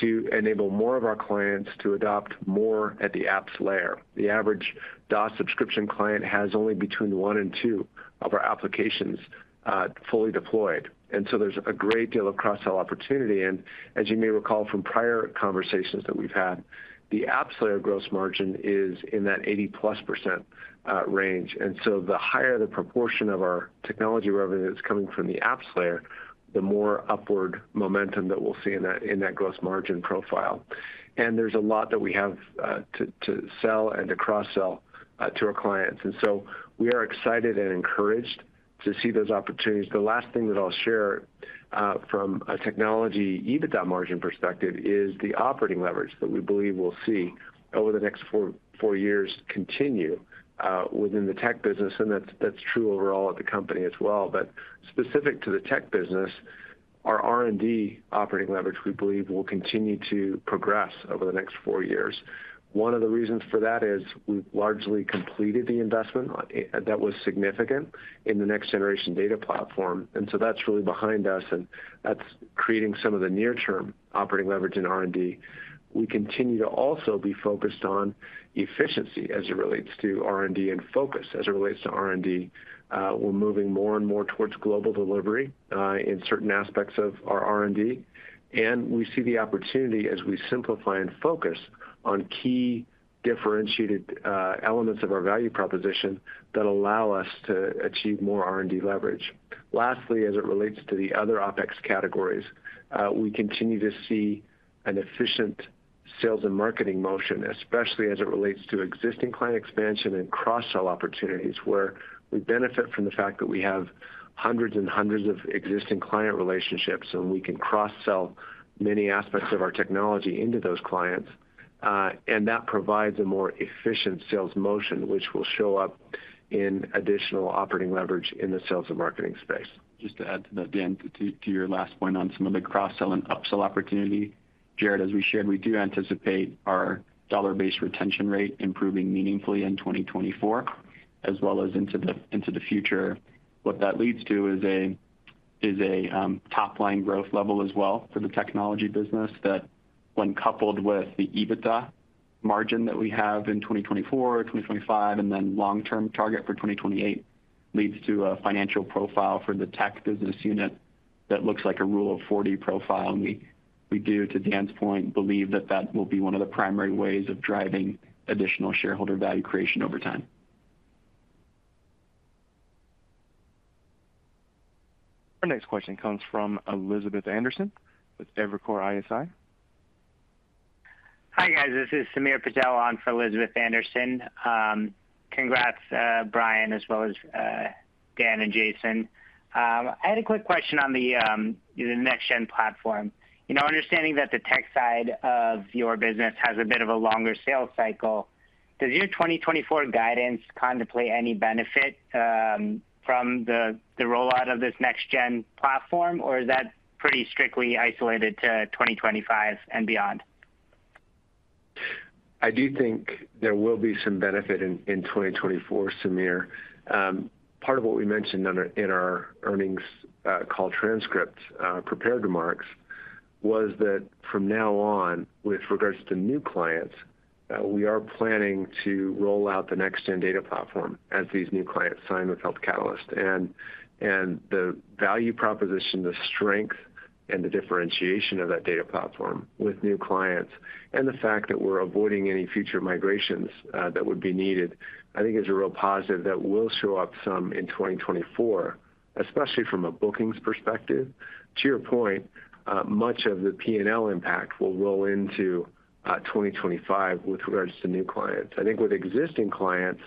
to enable more of our clients to adopt more at the apps layer. The average DOS subscription client has only between one and two of our applications fully deployed. So there's a great deal of cross-sell opportunity. As you may recall from prior conversations that we've had, the apps layer gross margin is in that 80-plus% range. So the higher the proportion of our technology revenue that's coming from the apps layer, the more upward momentum that we'll see in that gross margin profile. There's a lot that we have to sell and to cross-sell to our clients. So we are excited and encouraged to see those opportunities. The last thing that I'll share from a technology EBITDA margin perspective is the operating leverage that we believe we'll see over the next four years continue within the tech business. That's true overall at the company as well. But specific to the tech business, our R&D operating leverage, we believe, will continue to progress over the next four years. One of the reasons for that is we've largely completed the investment that was significant in the next-generation data platform. So that's really behind us. That's creating some of the near-term operating leverage in R&D. We continue to also be focused on efficiency as it relates to R&D and focus as it relates to R&D. We're moving more and more towards global delivery in certain aspects of our R&D. We see the opportunity as we simplify and focus on key differentiated elements of our value proposition that allow us to achieve more R&D leverage. Lastly, as it relates to the other OpEx categories, we continue to see an efficient sales and marketing motion, especially as it relates to existing client expansion and cross-sell opportunities where we benefit from the fact that we have hundreds and hundreds of existing client relationships. We can cross-sell many aspects of our technology into those clients. That provides a more efficient sales motion, which will show up in additional operating leverage in the sales and marketing space. Just to add to that, Dan, to your last point on some of the cross-sell and upsell opportunity, Jared, as we shared, we do anticipate our dollar-based retention rate improving meaningfully in 2024 as well as into the future. What that leads to is a top-line growth level as well for the technology business that, when coupled with the EBITDA margin that we have in 2024 or 2025 and then long-term target for 2028, leads to a financial profile for the tech business unit that looks like a rule of 40 profile. And we, to Dan's point, believe that that will be one of the primary ways of driving additional shareholder value creation over time. Our next question comes from Elizabeth Anderson with Evercore ISI. Hi, guys. This is Samir Patel on for Elizabeth Anderson. Congrats, Bryan, as well as Dan and Jason. I had a quick question on the next-gen platform. Understanding that the tech side of your business has a bit of a longer sales cycle, does your 2024 guidance contemplate any benefit from the rollout of this next-gen platform? Or is that pretty strictly isolated to 2025 and beyond? I do think there will be some benefit in 2024, Samir. Part of what we mentioned in our earnings call transcript, prepared remarks, was that from now on, with regards to new clients, we are planning to roll out the next-gen data platform as these new clients sign with Health Catalyst. And the value proposition, the strength, and the differentiation of that data platform with new clients and the fact that we're avoiding any future migrations that would be needed, I think, is a real positive that will show up some in 2024, especially from a bookings perspective. To your point, much of the P&L impact will roll into 2025 with regards to new clients. I think with existing clients,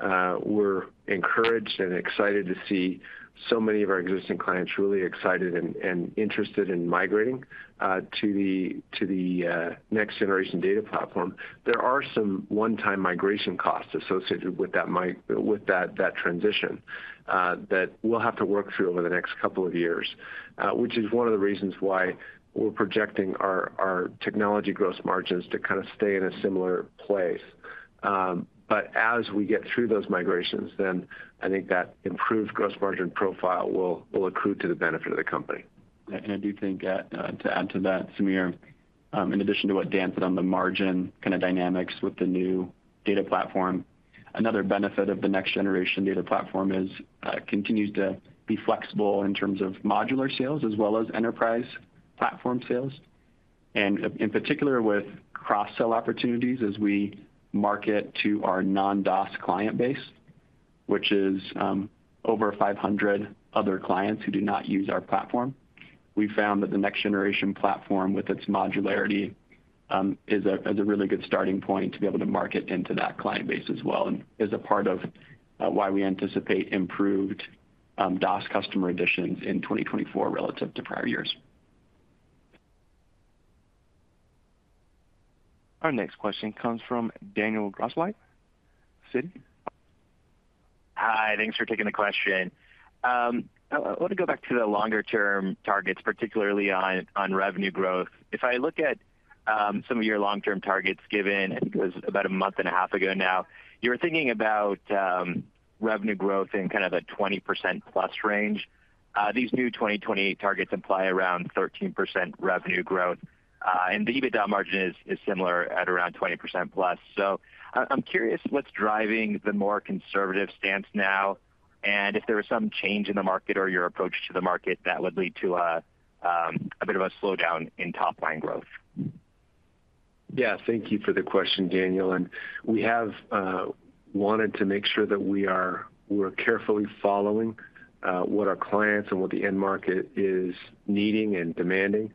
we're encouraged and excited to see so many of our existing clients really excited and interested in migrating to the next-generation data platform. There are some one-time migration costs associated with that transition that we'll have to work through over the next couple of years, which is one of the reasons why we're projecting our technology gross margins to kind of stay in a similar place. But as we get through those migrations, then I think that improved gross margin profile will accrue to the benefit of the company. And I do think, to add to that, Samir, in addition to what Dan said on the margin kind of dynamics with the new data platform, another benefit of the next-generation data platform is it continues to be flexible in terms of modular sales as well as enterprise platform sales. And in particular, with cross-sell opportunities, as we market to our non-DOS client base, which is over 500 other clients who do not use our platform, we found that the next-generation platform, with its modularity, is a really good starting point to be able to market into that client base as well and is a part of why we anticipate improved DOS customer additions in 2024 relative to prior years. Our next question comes from Daniel Grosslight, Citi. Hi. Thanks for taking the question. I want to go back to the longer-term targets, particularly on revenue growth. If I look at some of your long-term targets, given I think it was about a month and a half ago now, you were thinking about revenue growth in kind of a 20%+ range. These new 2028 targets imply around 13% revenue growth. And the EBITDA margin is similar at around 20%+. So I'm curious, what's driving the more conservative stance now? And if there was some change in the market or your approach to the market that would lead to a bit of a slowdown in top-line growth? Yeah, thank you for the question, Daniel. And we have wanted to make sure that we were carefully following what our clients and what the end market is needing and demanding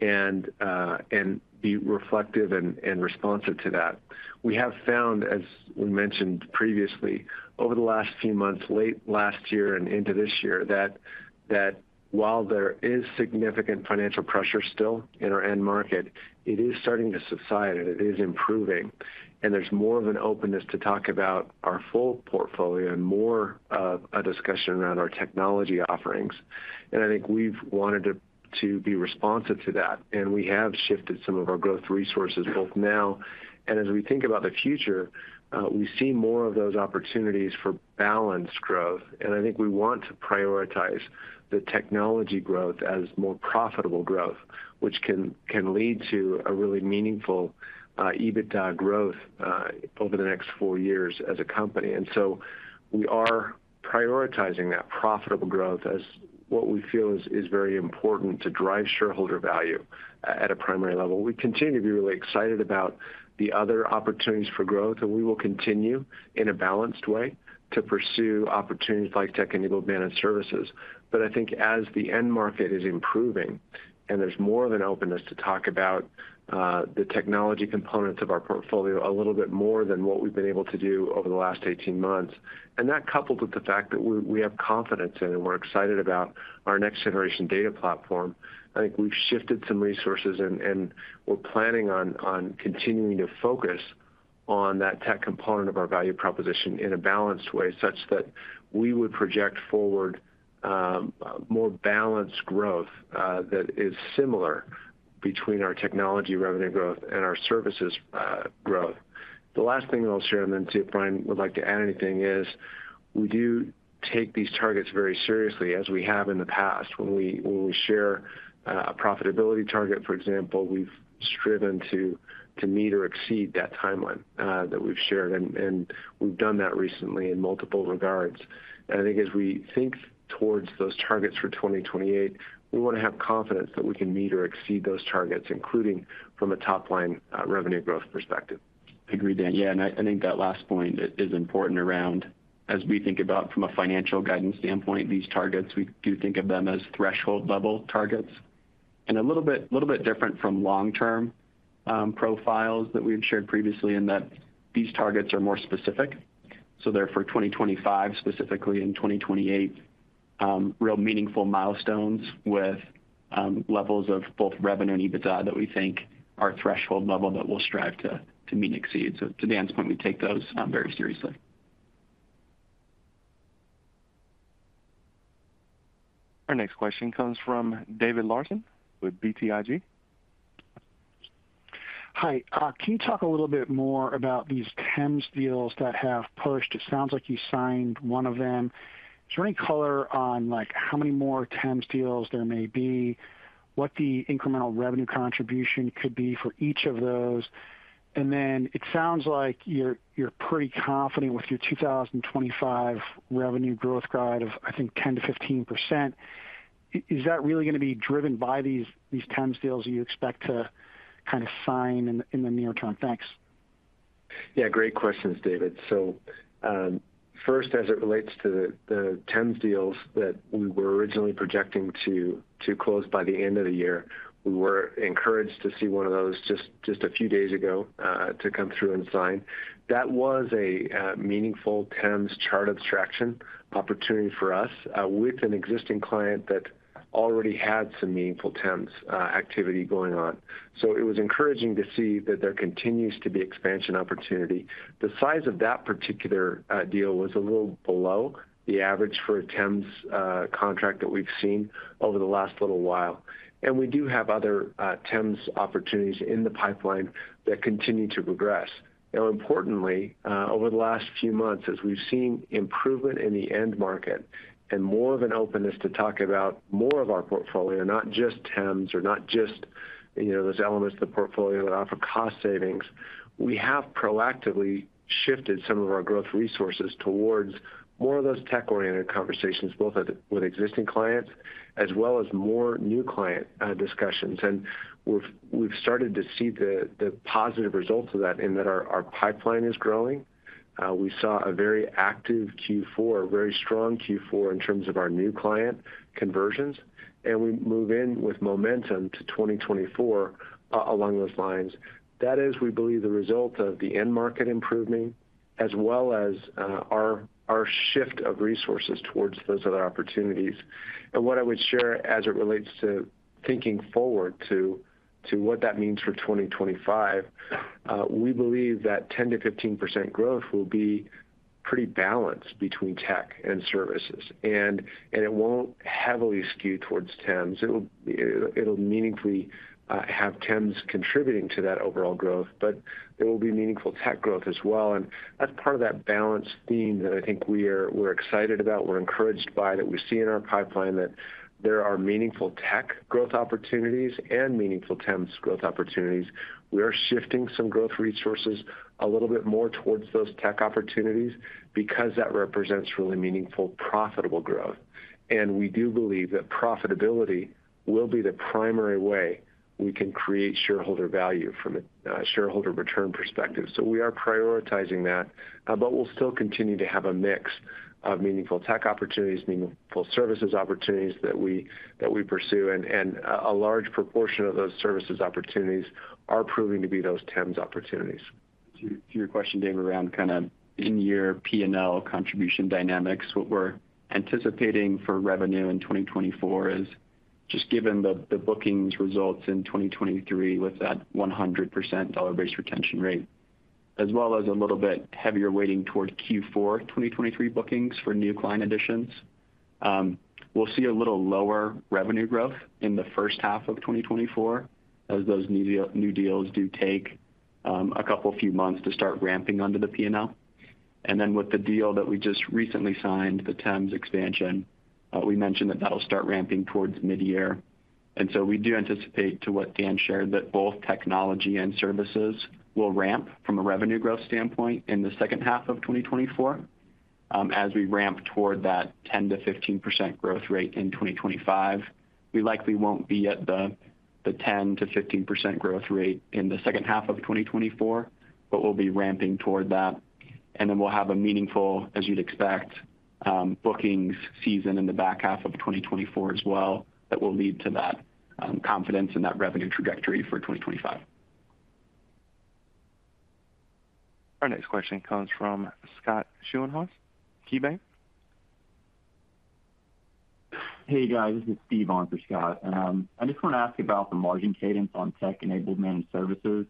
and be reflective and responsive to that. We have found, as we mentioned previously, over the last few months, late last year and into this year, that while there is significant financial pressure still in our end market, it is starting to subside. It is improving. There's more of an openness to talk about our full portfolio and more of a discussion around our technology offerings. I think we've wanted to be responsive to that. We have shifted some of our growth resources both now. As we think about the future, we see more of those opportunities for balanced growth. I think we want to prioritize the technology growth as more profitable growth, which can lead to a really meaningful EBITDA growth over the next four years as a company. We are prioritizing that profitable growth as what we feel is very important to drive shareholder value at a primary level. We continue to be really excited about the other opportunities for growth. We will continue in a balanced way to pursue opportunities like Tech-Enabled Managed Services. But I think as the end market is improving and there's more of an openness to talk about the technology components of our portfolio a little bit more than what we've been able to do over the last 18 months and that coupled with the fact that we have confidence in and we're excited about our next-generation data platform, I think we've shifted some resources. We're planning on continuing to focus on that tech component of our value proposition in a balanced way such that we would project forward more balanced growth that is similar between our technology revenue growth and our services growth. The last thing I'll share, and then see if Bryan would like to add anything, is we do take these targets very seriously, as we have in the past. When we share a profitability target, for example, we've striven to meet or exceed that timeline that we've shared. We've done that recently in multiple regards. I think as we think towards those targets for 2028, we want to have confidence that we can meet or exceed those targets, including from a top-line revenue growth perspective. Agreed, Dan. Yeah. And I think that last point is important around, as we think about from a financial guidance standpoint, these targets, we do think of them as threshold-level targets and a little bit different from long-term profiles that we had shared previously in that these targets are more specific. So they're for 2025, specifically in 2028, real meaningful milestones with levels of both revenue and EBITDA that we think are threshold-level that we'll strive to meet and exceed. So to Dan's point, we take those very seriously. Our next question comes from David Larsen with BTIG. Hi. Can you talk a little bit more about these TEMS deals that have pushed? It sounds like you signed one of them. Is there any color on how many more TEMS deals there may be, what the incremental revenue contribution could be for each of those? Then it sounds like you're pretty confident with your 2025 revenue growth grade of, I think, 10%-15%. Is that really going to be driven by these TEMS deals that you expect to kind of sign in the near term? Thanks. Yeah, great questions, David. So first, as it relates to the TEMS deals that we were originally projecting to close by the end of the year, we were encouraged to see one of those just a few days ago to come through and sign. That was a meaningful TEMS chart abstraction opportunity for us with an existing client that already had some meaningful TEMS activity going on. So it was encouraging to see that there continues to be expansion opportunity. The size of that particular deal was a little below the average for a TEMS contract that we've seen over the last little while. We do have other TEMS opportunities in the pipeline that continue to progress. Now, importantly, over the last few months, as we've seen improvement in the end market and more of an openness to talk about more of our portfolio, not just TEMS or not just those elements of the portfolio that offer cost savings, we have proactively shifted some of our growth resources towards more of those tech-oriented conversations, both with existing clients as well as more new client discussions. We've started to see the positive results of that in that our pipeline is growing. We saw a very active Q4, a very strong Q4 in terms of our new client conversions. We move in with momentum to 2024 along those lines. That is, we believe, the result of the end market improving as well as our shift of resources towards those other opportunities. What I would share as it relates to thinking forward to what that means for 2025, we believe that 10%-15% growth will be pretty balanced between tech and services. It won't heavily skew towards TEMS. It'll meaningfully have TEMS contributing to that overall growth. But there will be meaningful tech growth as well. That's part of that balanced theme that I think we're excited about, we're encouraged by, that we see in our pipeline that there are meaningful tech growth opportunities and meaningful TEMS growth opportunities. We are shifting some growth resources a little bit more towards those tech opportunities because that represents really meaningful, profitable growth. We do believe that profitability will be the primary way we can create shareholder value from a shareholder return perspective. So we are prioritizing that. But we'll still continue to have a mix of meaningful tech opportunities, meaningful services opportunities that we pursue. And a large proportion of those services opportunities are proving to be those TEMS opportunities. To your question, David, around kind of in-year P&L contribution dynamics, what we're anticipating for revenue in 2024 is, just given the bookings results in 2023 with that 100% dollar-based retention rate, as well as a little bit heavier weighting toward Q4 2023 bookings for new client additions, we'll see a little lower revenue growth in the first half of 2024 as those new deals do take a couple few months to start ramping onto the P&L. And then with the deal that we just recently signed, the TEMS expansion, we mentioned that that'll start ramping towards mid-year. And so we do anticipate, to what Dan shared, that both technology and services will ramp from a revenue growth standpoint in the second half of 2024. As we ramp toward that 10%-15% growth rate in 2025, we likely won't be at the 10%-15% growth rate in the second half of 2024, but we'll be ramping toward that. And then we'll have a meaningful, as you'd expect, bookings season in the back half of 2024 as well that will lead to that confidence in that revenue trajectory for 2025. Our next question comes from Scott Schoenhaus, KeyBanc. Hey, guys. This is Steve on for Scott. I just want to ask about the margin cadence on tech-enabled managed services.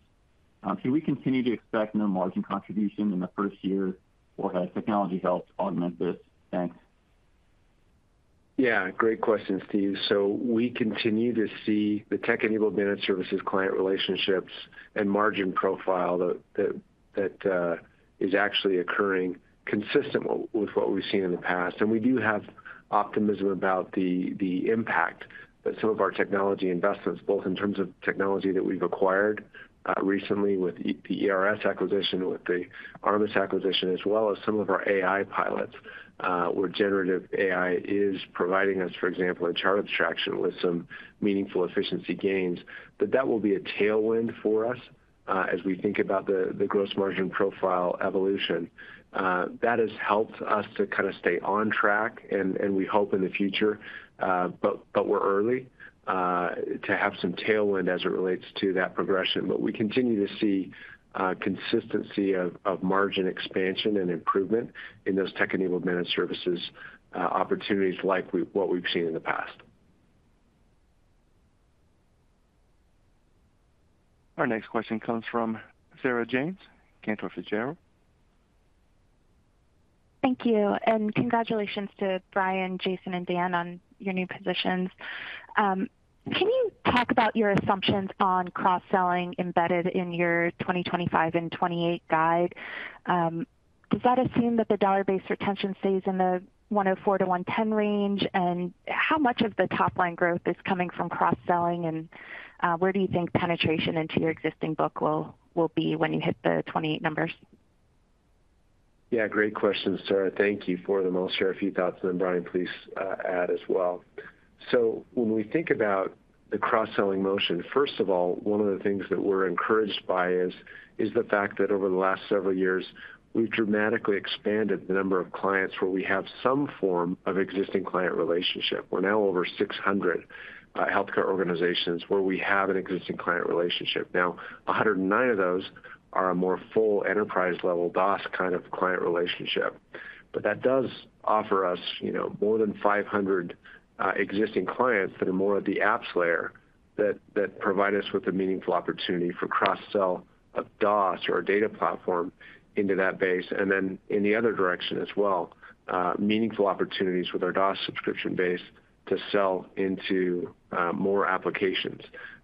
Can we continue to expect no margin contribution in the first year, or has technology helped augment this? Thanks. Yeah, great question, Steve. So we continue to see the tech-enabled managed services client relationships and margin profile that is actually occurring consistent with what we've seen in the past. And we do have optimism about the impact that some of our technology investments, both in terms of technology that we've acquired recently with the ERS acquisition, with the ARMUS acquisition, as well as some of our AI pilots, where generative AI is providing us, for example, in chart abstraction with some meaningful efficiency gains, that that will be a tailwind for us as we think about the gross margin profile evolution. That has helped us to kind of stay on track. And we hope in the future, but we're early, to have some tailwind as it relates to that progression. But we continue to see consistency of margin expansion and improvement in those tech-enabled managed services opportunities like what we've seen in the past. Our next question comes from Sarah James, Cantor Fitzgerald. Thank you. And congratulations to Bryan, Jason, and Dan on your new positions. Can you talk about your assumptions on cross-selling embedded in your 2025 and 2028 guide? Does that assume that the dollar-based retention stays in the 104%-110% range? And how much of the top-line growth is coming from cross-selling? And where do you think penetration into your existing book will be when you hit the 2028 numbers? Yeah, great questions, Sarah. Thank you for them. I'll share a few thoughts. And then, Bryan, please add as well. So when we think about the cross-selling motion, first of all, one of the things that we're encouraged by is the fact that over the last several years, we've dramatically expanded the number of clients where we have some form of existing client relationship. We're now over 600 healthcare organizations where we have an existing client relationship. Now, 109 of those are a more full enterprise-level DOS kind of client relationship. But that does offer us more than 500 existing clients that are more at the apps layer that provide us with a meaningful opportunity for cross-sell of DOS or our data platform into that base and then in the other direction as well, meaningful opportunities with our DOS subscription base to sell into more applications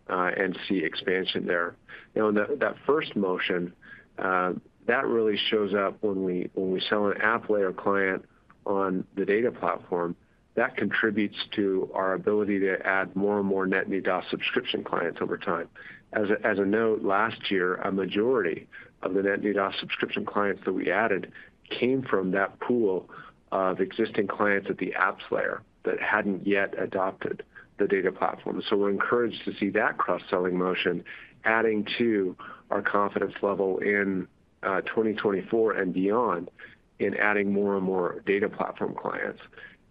and see expansion there. Now, in that first motion, that really shows up when we sell an app layer client on the data platform. That contributes to our ability to add more and more net new DOS subscription clients over time. As a note, last year, a majority of the net new DOS subscription clients that we added came from that pool of existing clients at the apps layer that hadn't yet adopted the data platform. And so we're encouraged to see that cross-selling motion adding to our confidence level in 2024 and beyond in adding more and more data platform clients.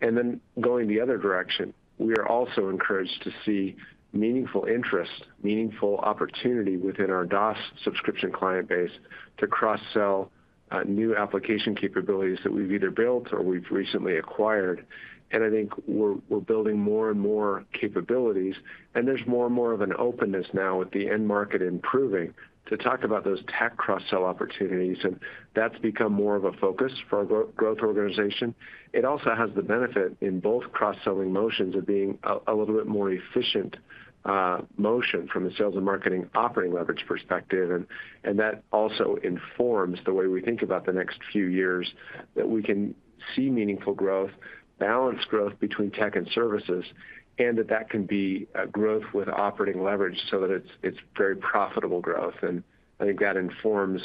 And then going the other direction, we are also encouraged to see meaningful interest, meaningful opportunity within our DOS subscription client base to cross-sell new application capabilities that we've either built or we've recently acquired. And I think we're building more and more capabilities. And there's more and more of an openness now with the end market improving to talk about those tech cross-sell opportunities. And that's become more of a focus for our growth organization. It also has the benefit in both cross-selling motions of being a little bit more efficient motion from a sales and marketing operating leverage perspective. And that also informs the way we think about the next few years, that we can see meaningful growth, balanced growth between tech and services, and that that can be growth with operating leverage so that it's very profitable growth. And I think that informs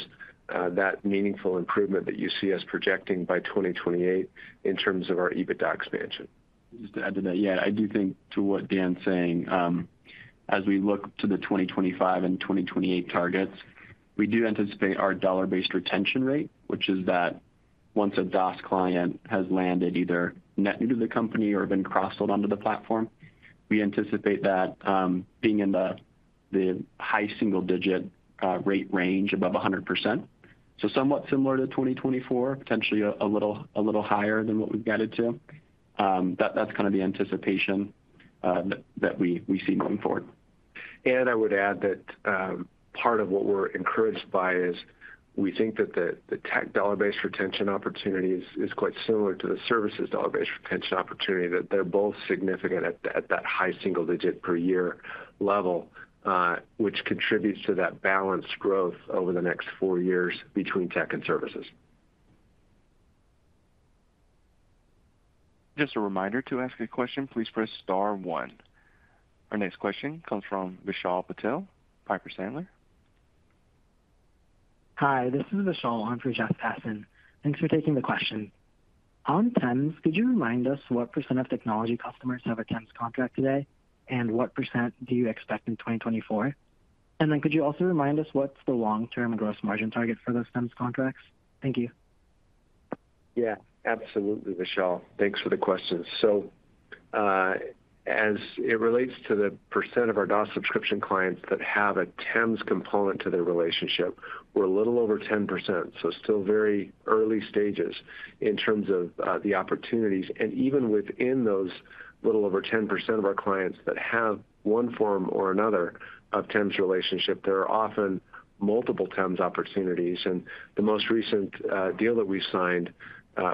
that meaningful improvement that you see us projecting by 2028 in terms of our EBITDA expansion. Just to add to that, yeah, I do think, to what Dan's saying, as we look to the 2025 and 2028 targets, we do anticipate our dollar-based retention rate, which is that once a DOS client has landed either net new to the company or been cross-sold onto the platform, we anticipate that being in the high single-digit rate range above 100%, so somewhat similar to 2024, potentially a little higher than what we've gotten to. That's kind of the anticipation that we see moving forward. And I would add that part of what we're encouraged by is we think that the tech dollar-based retention opportunity is quite similar to the services dollar-based retention opportunity, that they're both significant at that high single-digit per year level, which contributes to that balanced growth over the next four years between tech and services. Just a reminder to ask a question. Please press star 1. Our next question comes from Vishal Patel, Piper Sandler. Hi. This is Vishal. I'm for Jessica Tassan. Thanks for taking the question. On TEMS, could you remind us what % of technology customers have a TEMS contract today? And what % do you expect in 2024? And then could you also remind us what's the long-term gross margin target for those TEMS contracts? Thank you. Yeah, absolutely, Vishal. Thanks for the question. So as it relates to the % of our DOS subscription clients that have a TEMS component to their relationship, we're a little over 10%, so still very early stages in terms of the opportunities. And even within those little over 10% of our clients that have one form or another of TEMS relationship, there are often multiple TEMS opportunities. The most recent deal that we signed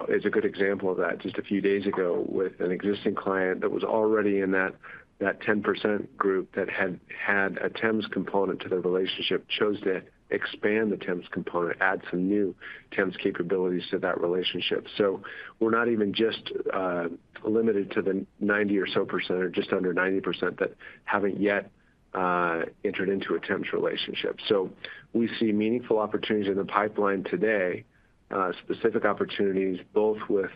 is a good example of that, just a few days ago, with an existing client that was already in that 10% group that had a TEMS component to their relationship chose to expand the TEMS component, add some new TEMS capabilities to that relationship. We're not even just limited to the 90% or so or just under 90% that haven't yet entered into a TEMS relationship. We see meaningful opportunities in the pipeline today, specific opportunities both with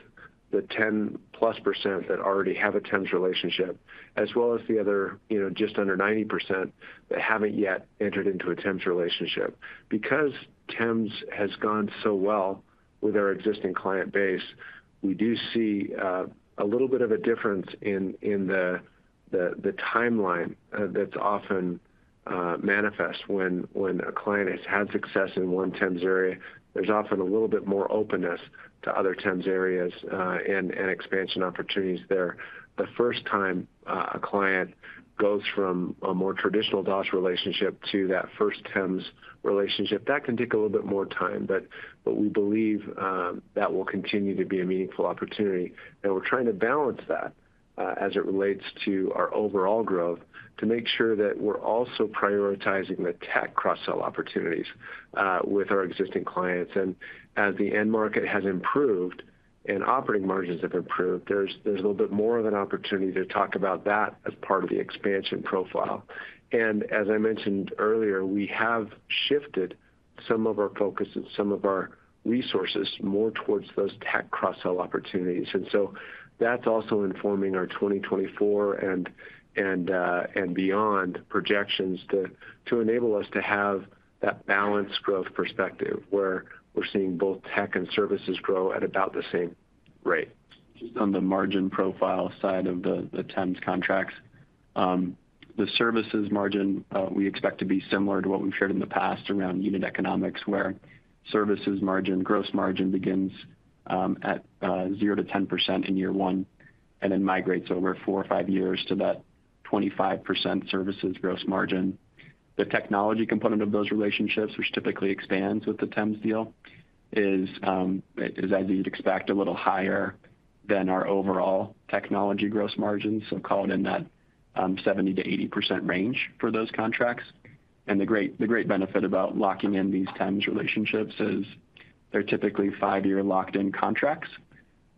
the 10+% that already have a TEMS relationship as well as the other just under 90% that haven't yet entered into a TEMS relationship. Because TEMS has gone so well with our existing client base, we do see a little bit of a difference in the timeline that's often manifest. When a client has had success in one TEMS area, there's often a little bit more openness to other TEMS areas and expansion opportunities there. The first time a client goes from a more traditional DOS relationship to that first TEMS relationship, that can take a little bit more time. We believe that will continue to be a meaningful opportunity. We're trying to balance that as it relates to our overall growth to make sure that we're also prioritizing the tech cross-sell opportunities with our existing clients. As the end market has improved and operating margins have improved, there's a little bit more of an opportunity to talk about that as part of the expansion profile. As I mentioned earlier, we have shifted some of our focus and some of our resources more towards those tech cross-sell opportunities. That's also informing our 2024 and beyond projections to enable us to have that balanced growth perspective where we're seeing both tech and services grow at about the same rate. Just on the margin profile side of the TEMS contracts, the services margin, we expect to be similar to what we've shared in the past around unit economics, where services margin, gross margin, begins at 0%-10% in year one and then migrates over four or five years to that 25% services gross margin. The technology component of those relationships, which typically expands with the TEMS deal, is, as you'd expect, a little higher than our overall technology gross margin, so call it in that 70%-80% range for those contracts. And the great benefit about locking in these TEMS relationships is they're typically five-year locked-in contracts,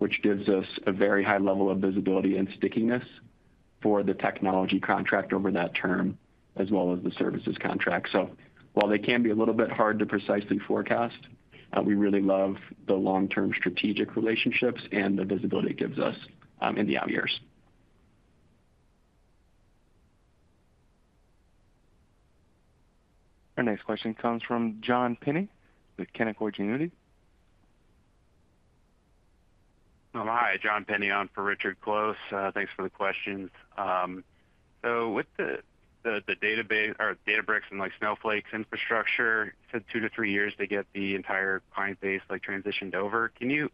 which gives us a very high level of visibility and stickiness for the technology contract over that term as well as the services contract. So while they can be a little bit hard to precisely forecast, we really love the long-term strategic relationships and the visibility it gives us in the out years. Our next question comes from John Penney with Canaccord Genuity. Hi, John Penney. I'm for Richard Close. Thanks for the questions. So with the Databricks and Snowflake's infrastructure, you said 2-3 years to get the entire client base transitioned over. Can you,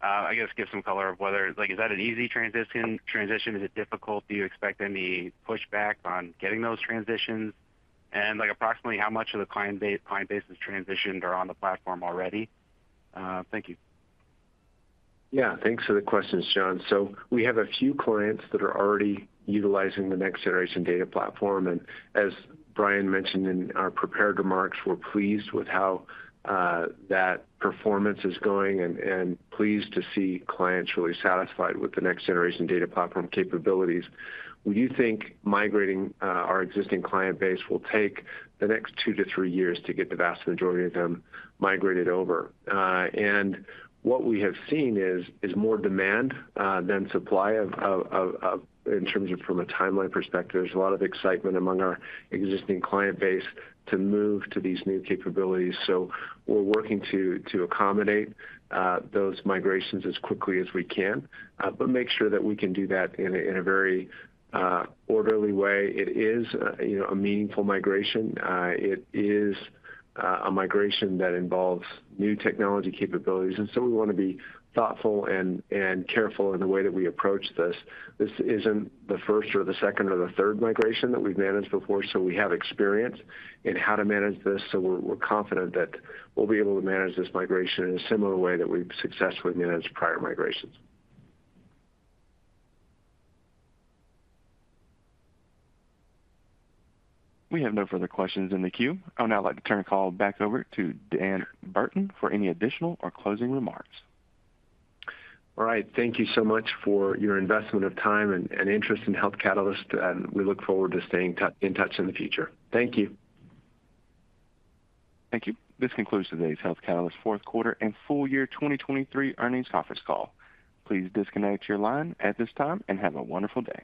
I guess, give some color of whether is that an easy transition? Is it difficult? Do you expect any pushback on getting those transitions? Approximately how much of the client base has transitioned or on the platform already? Thank you. Yeah, thanks for the questions, John. So we have a few clients that are already utilizing the next-generation data platform. As Bryan mentioned in our prepared remarks, we're pleased with how that performance is going and pleased to see clients really satisfied with the next-generation data platform capabilities. We do think migrating our existing client base will take the next 2-3 years to get the vast majority of them migrated over. What we have seen is more demand than supply in terms of from a timeline perspective. There's a lot of excitement among our existing client base to move to these new capabilities. So we're working to accommodate those migrations as quickly as we can but make sure that we can do that in a very orderly way. It is a meaningful migration. It is a migration that involves new technology capabilities. And so we want to be thoughtful and careful in the way that we approach this. This isn't the first or the second or the third migration that we've managed before. So we have experience in how to manage this. So we're confident that we'll be able to manage this migration in a similar way that we've successfully managed prior migrations. We have no further questions in the queue. I would now like to turn the call back over to Dan Burton for any additional or closing remarks. All right. Thank you so much for your investment of time and interest in Health Catalyst. We look forward to staying in touch in the future. Thank you. Thank you. This concludes today's Health Catalyst fourth quarter and full year 2023 earnings conference call. Please disconnect your line at this time and have a wonderful day.